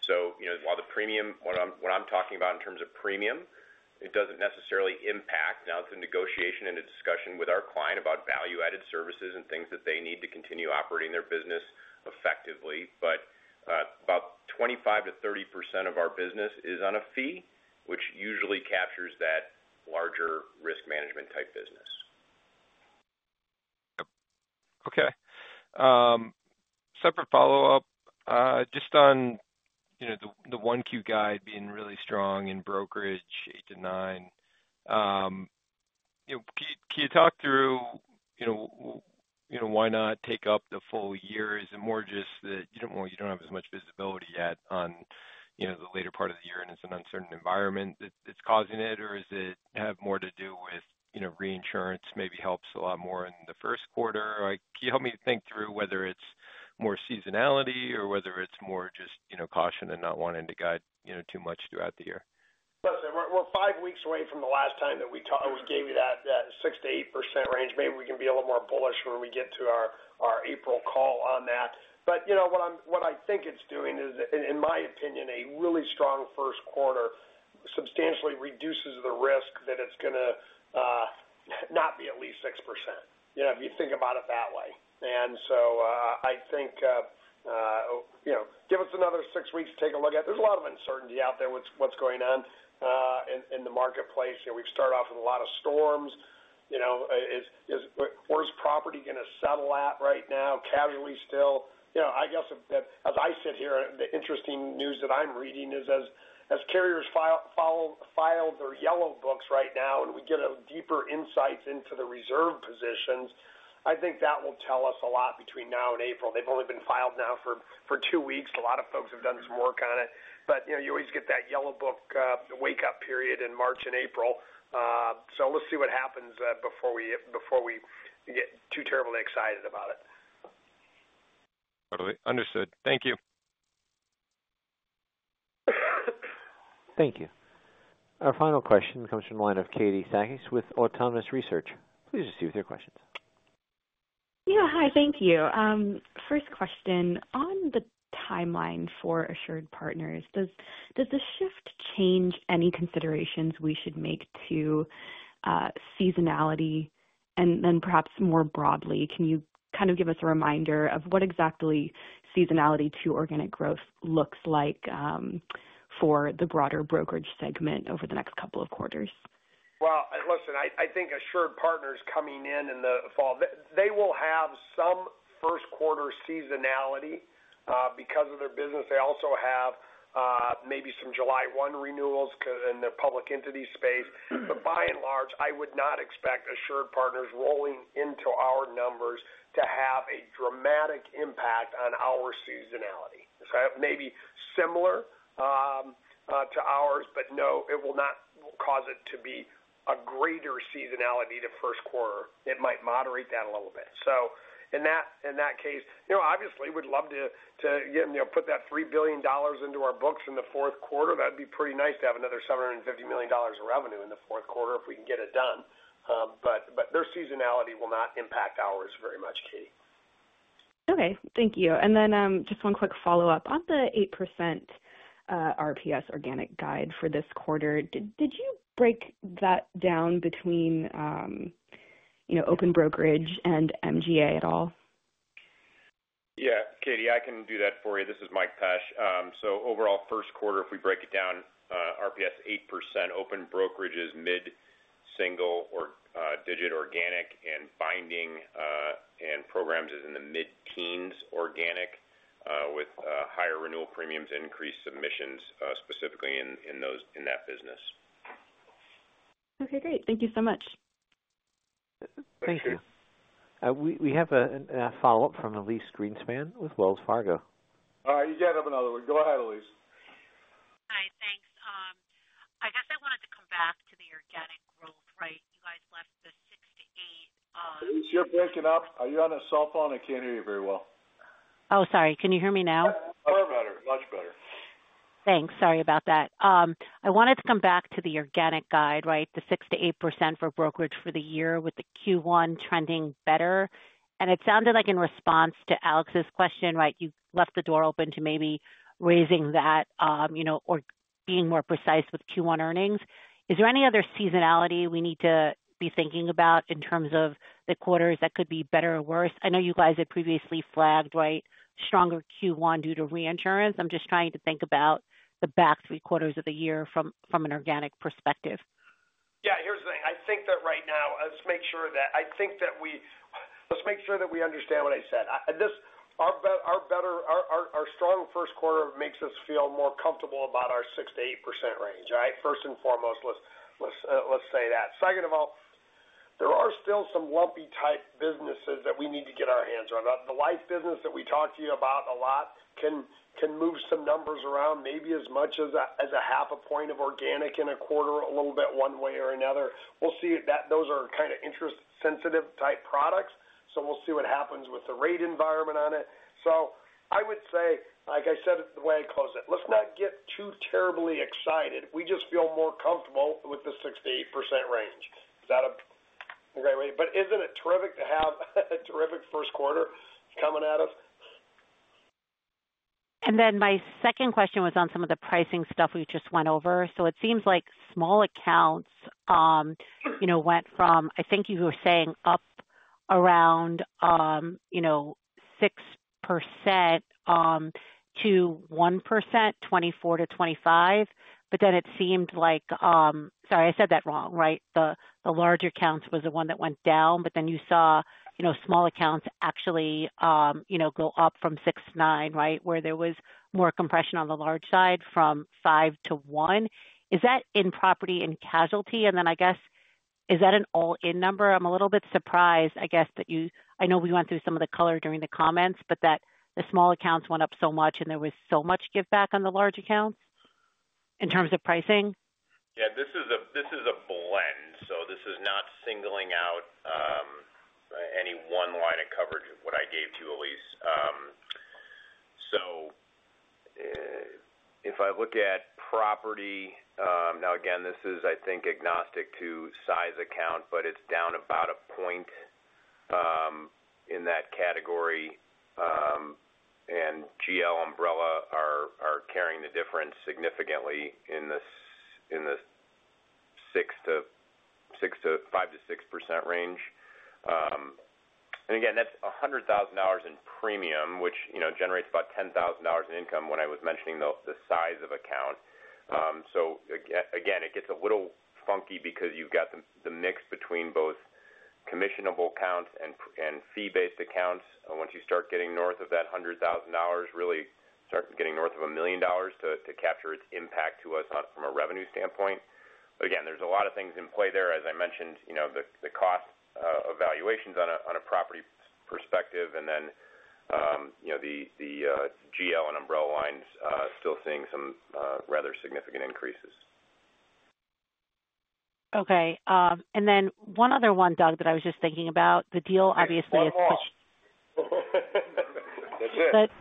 So while the premium—what I'm talking about in terms of premium—it doesn't necessarily impact. Now, it's a negotiation and a discussion with our client about value-added services and things that they need to continue operating their business effectively. But about 25-30% of our business is on a fee, which usually captures that larger risk management type business. Yep. Okay. Separate follow-up. Just on the Q1 guide being really strong in brokerage 8-9%, can you talk through why not take up the full year? Is it more just that you do not have as much visibility yet on the later part of the year, and it is an uncertain environment that is causing it? Is it more to do with reinsurance maybe helps a lot more in the first quarter? Can you help me think through whether it is more seasonality or whether it is more just caution and not wanting to guide too much throughout the year? Listen, we're five weeks away from the last time that we gave you that 6-8% range. Maybe we can be a little more bullish when we get to our April call on that. What I think it's doing is, in my opinion, a really strong first quarter substantially reduces the risk that it's going to not be at least 6% if you think about it that way. I think give us another six weeks to take a look at it. There's a lot of uncertainty out there with what's going on in the marketplace. We've started off with a lot of storms. Where's property going to settle at right now? Casualty still. I guess as I sit here, the interesting news that I'm reading is as carriers file their yellow books right now and we get deeper insights into the reserve positions, I think that will tell us a lot between now and April. They've only been filed now for two weeks. A lot of folks have done some work on it. You always get that yellow book wake-up period in March and April. Let's see what happens before we get too terribly excited about it. Understood. Thank you. Thank you. Our final question comes from the line of Katie Sakys with Autonomous Research. Please proceed with your questions. Yeah. Hi. Thank you. First question. On the timeline for AssuredPartners, does the shift change any considerations we should make to seasonality? And then perhaps more broadly, can you kind of give us a reminder of what exactly seasonality to organic growth looks like for the broader brokerage segment over the next couple of quarters? Listen, I think AssuredPartners coming in in the fall, they will have some first-quarter seasonality because of their business. They also have maybe some July 1 renewals in their public entity space. By and large, I would not expect AssuredPartners rolling into our numbers to have a dramatic impact on our seasonality. Maybe similar to ours, but no, it will not cause it to be a greater seasonality to first quarter. It might moderate that a little bit. In that case, obviously, we'd love to put that $3 billion into our books in the fourth quarter. That would be pretty nice to have another $750 million of revenue in the fourth quarter if we can get it done. Their seasonality will not impact ours very much, Katie. Okay. Thank you. Just one quick follow-up. On the 8% RPS organic guide for this quarter, did you break that down between Open Brokerage and MGA at all? Yeah. Katie, I can do that for you. This is Mike Pesch. Overall, first quarter, if we break it down, RPS 8%, Open Brokerage is mid-single digit organic, and Binding and Programs is in the mid-teens organic with higher renewal premiums and increased submissions specifically in that business. Okay. Great. Thank you so much. Thank you. We have a follow-up from Elyse Greenspan with Wells Fargo. You got another one. Go ahead, Elyse. Hi. Thanks. I guess I wanted to come back to the organic growth, right? You guys left the 6 to 8. Elyse, you're breaking up. Are you on a cell phone? I can't hear you very well. Oh, sorry. Can you hear me now? Far better. Much better. Thanks. Sorry about that. I wanted to come back to the organic guide, right? The 6-8% for brokerage for the year with the Q1 trending better. It sounded like in response to Alex's question, right, you left the door open to maybe raising that or being more precise with Q1 earnings. Is there any other seasonality we need to be thinking about in terms of the quarters that could be better or worse? I know you guys had previously flagged, right, stronger Q1 due to reinsurance. I'm just trying to think about the back three quarters of the year from an organic perspective. Yeah. Here's the thing. I think that right now, let's make sure that I think that we let's make sure that we understand what I said. Our strong first quarter makes us feel more comfortable about our 6-8% range, right? First and foremost, let's say that. Second of all, there are still some lumpy-type businesses that we need to get our hands on. The life business that we talked to you about a lot can move some numbers around, maybe as much as half a point of organic in a quarter, a little bit one way or another. We'll see. Those are kind of interest-sensitive type products. We'll see what happens with the rate environment on it. I would say, like I said, the way I close it, let's not get too terribly excited. We just feel more comfortable with the 6-8% range. Is that a great way? Isn't it terrific to have a terrific first quarter coming at us? My second question was on some of the pricing stuff we just went over. It seems like small accounts went from, I think you were saying, up around 6% to 1%, 2024 to 2025. I said that wrong, right? The large accounts was the one that went down. You saw small accounts actually go up from 6% to 9%, right, where there was more compression on the large side from 5% to 1%. Is that in property and casualty? I guess, is that an all-in number? I'm a little bit surprised, I guess, that you—I know we went through some of the color during the comments, but that the small accounts went up so much and there was so much give back on the large accounts in terms of pricing. Yeah. This is a blend. This is not singling out any one line of coverage of what I gave to Elyse. If I look at property, now again, this is, I think, agnostic to size account, but it's down about a point in that category. GL umbrella are carrying the difference significantly in the 5%-6% range. Again, that's $100,000 in premium, which generates about $10,000 in income when I was mentioning the size of account. It gets a little funky because you've got the mix between both commissionable accounts and fee-based accounts. Once you start getting north of that $100,000, really start getting north of $1 million to capture its impact to us from a revenue standpoint. There is a lot of things in play there, as I mentioned, the cost evaluations on a property perspective, and then the GL and umbrella lines still seeing some rather significant increases. Okay. One other one, Doug, that I was just thinking about. The deal obviously is pushed.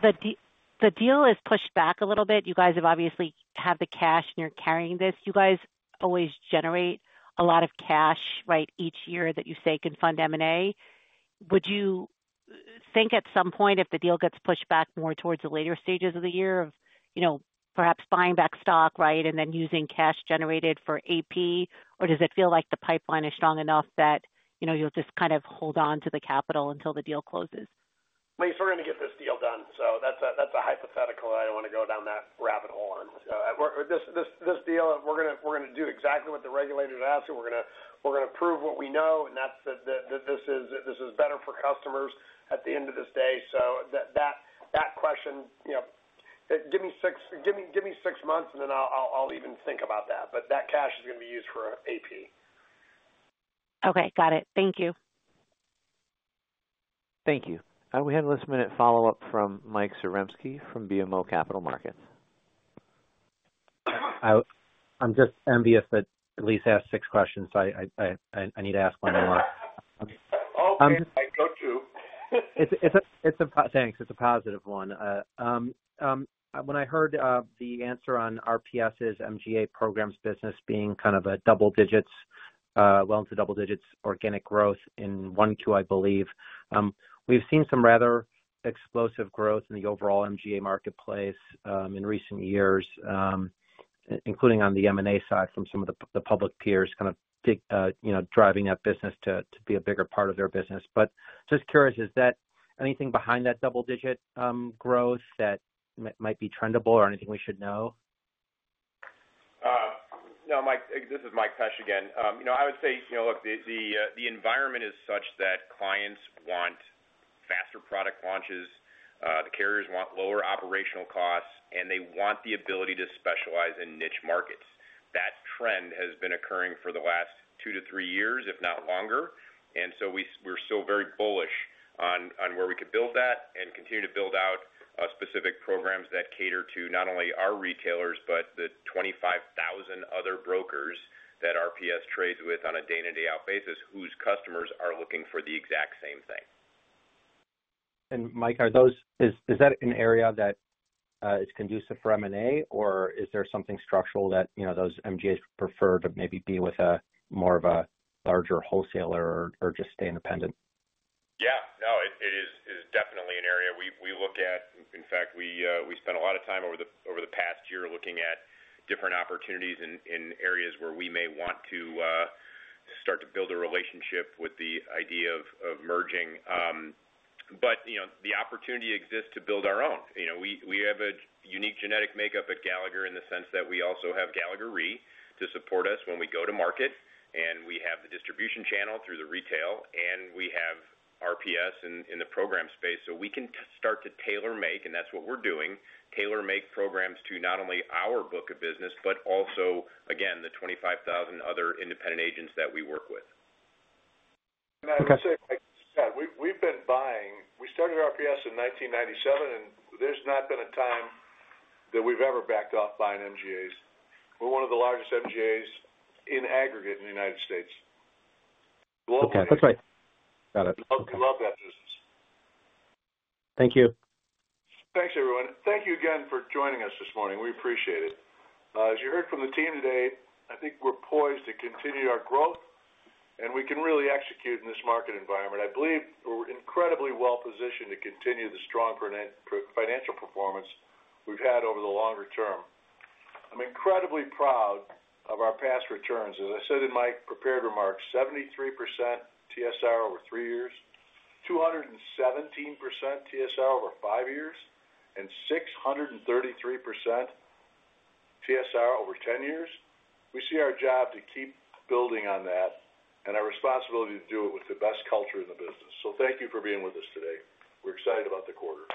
That's it. The deal is pushed back a little bit. You guys have obviously had the cash and you're carrying this. You guys always generate a lot of cash, right, each year that you say can fund M&A. Would you think at some point, if the deal gets pushed back more towards the later stages of the year, of perhaps buying back stock, right, and then using cash generated for AP? Or does it feel like the pipeline is strong enough that you'll just kind of hold on to the capital until the deal closes? You're still going to get this deal done. That's a hypothetical. I don't want to go down that rabbit hole on. This deal, we're going to do exactly what the regulators asked. We're going to prove what we know, and that this is better for customers at the end of this day. That question, give me six months, and then I'll even think about that. That cash is going to be used for AP. Okay. Got it. Thank you. Thank you. We had a last-minute follow-up from Mike Zarembski from BMO Capital Markets. I'm just envious that Elyse asked six questions, so I need to ask one more. Oh, go to. Thanks. It's a positive one. When I heard the answer on RPS's MGA programs business being kind of a double digits, well into double digits organic growth in one Q, I believe, we've seen some rather explosive growth in the overall MGA marketplace in recent years, including on the M&A side from some of the public peers kind of driving that business to be a bigger part of their business. Just curious, is that anything behind that double-digit growth that might be trendable or anything we should know? No, Mike. This is Mike Pesch again. I would say, look, the environment is such that clients want faster product launches. The carriers want lower operational costs, and they want the ability to specialize in niche markets. That trend has been occurring for the last two to three years, if not longer. We are still very bullish on where we could build that and continue to build out specific programs that cater to not only our retailers but the 25,000 other brokers that RPS trades with on a day-in and day-out basis whose customers are looking for the exact same thing. Mike, is that an area that is conducive for M&A, or is there something structural that those MGAs prefer to maybe be with more of a larger wholesaler or just stay independent? Yeah. No, it is definitely an area we look at. In fact, we spent a lot of time over the past year looking at different opportunities in areas where we may want to start to build a relationship with the idea of merging. The opportunity exists to build our own. We have a unique genetic makeup at Gallagher in the sense that we also have Gallagher Re to support us when we go to market. We have the distribution channel through the retail, and we have RPS in the program space. We can start to tailor-make, and that's what we're doing, tailor-make programs to not only our book of business but also, again, the 25,000 other independent agents that we work with. Yeah. We've been buying—we started RPS in 1997, and there's not been a time that we've ever backed off buying MGAs. We're one of the largest MGAs in aggregate in the United States. Okay. That's right. Love that business. Thank you. Thanks, everyone. Thank you again for joining us this morning. We appreciate it. As you heard from the team today, I think we're poised to continue our growth, and we can really execute in this market environment. I believe we're incredibly well-positioned to continue the strong financial performance we've had over the longer term. I'm incredibly proud of our past returns. As I said in my prepared remarks, 73% TSR over three years, 217% TSR over five years, and 633% TSR over 10 years. We see our job to keep building on that and our responsibility to do it with the best culture in the business. Thank you for being with us today. We're excited about the quarter.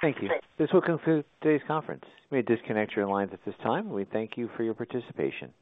Thank you. This will conclude today's conference. We may disconnect your lines at this time. We thank you for your participation.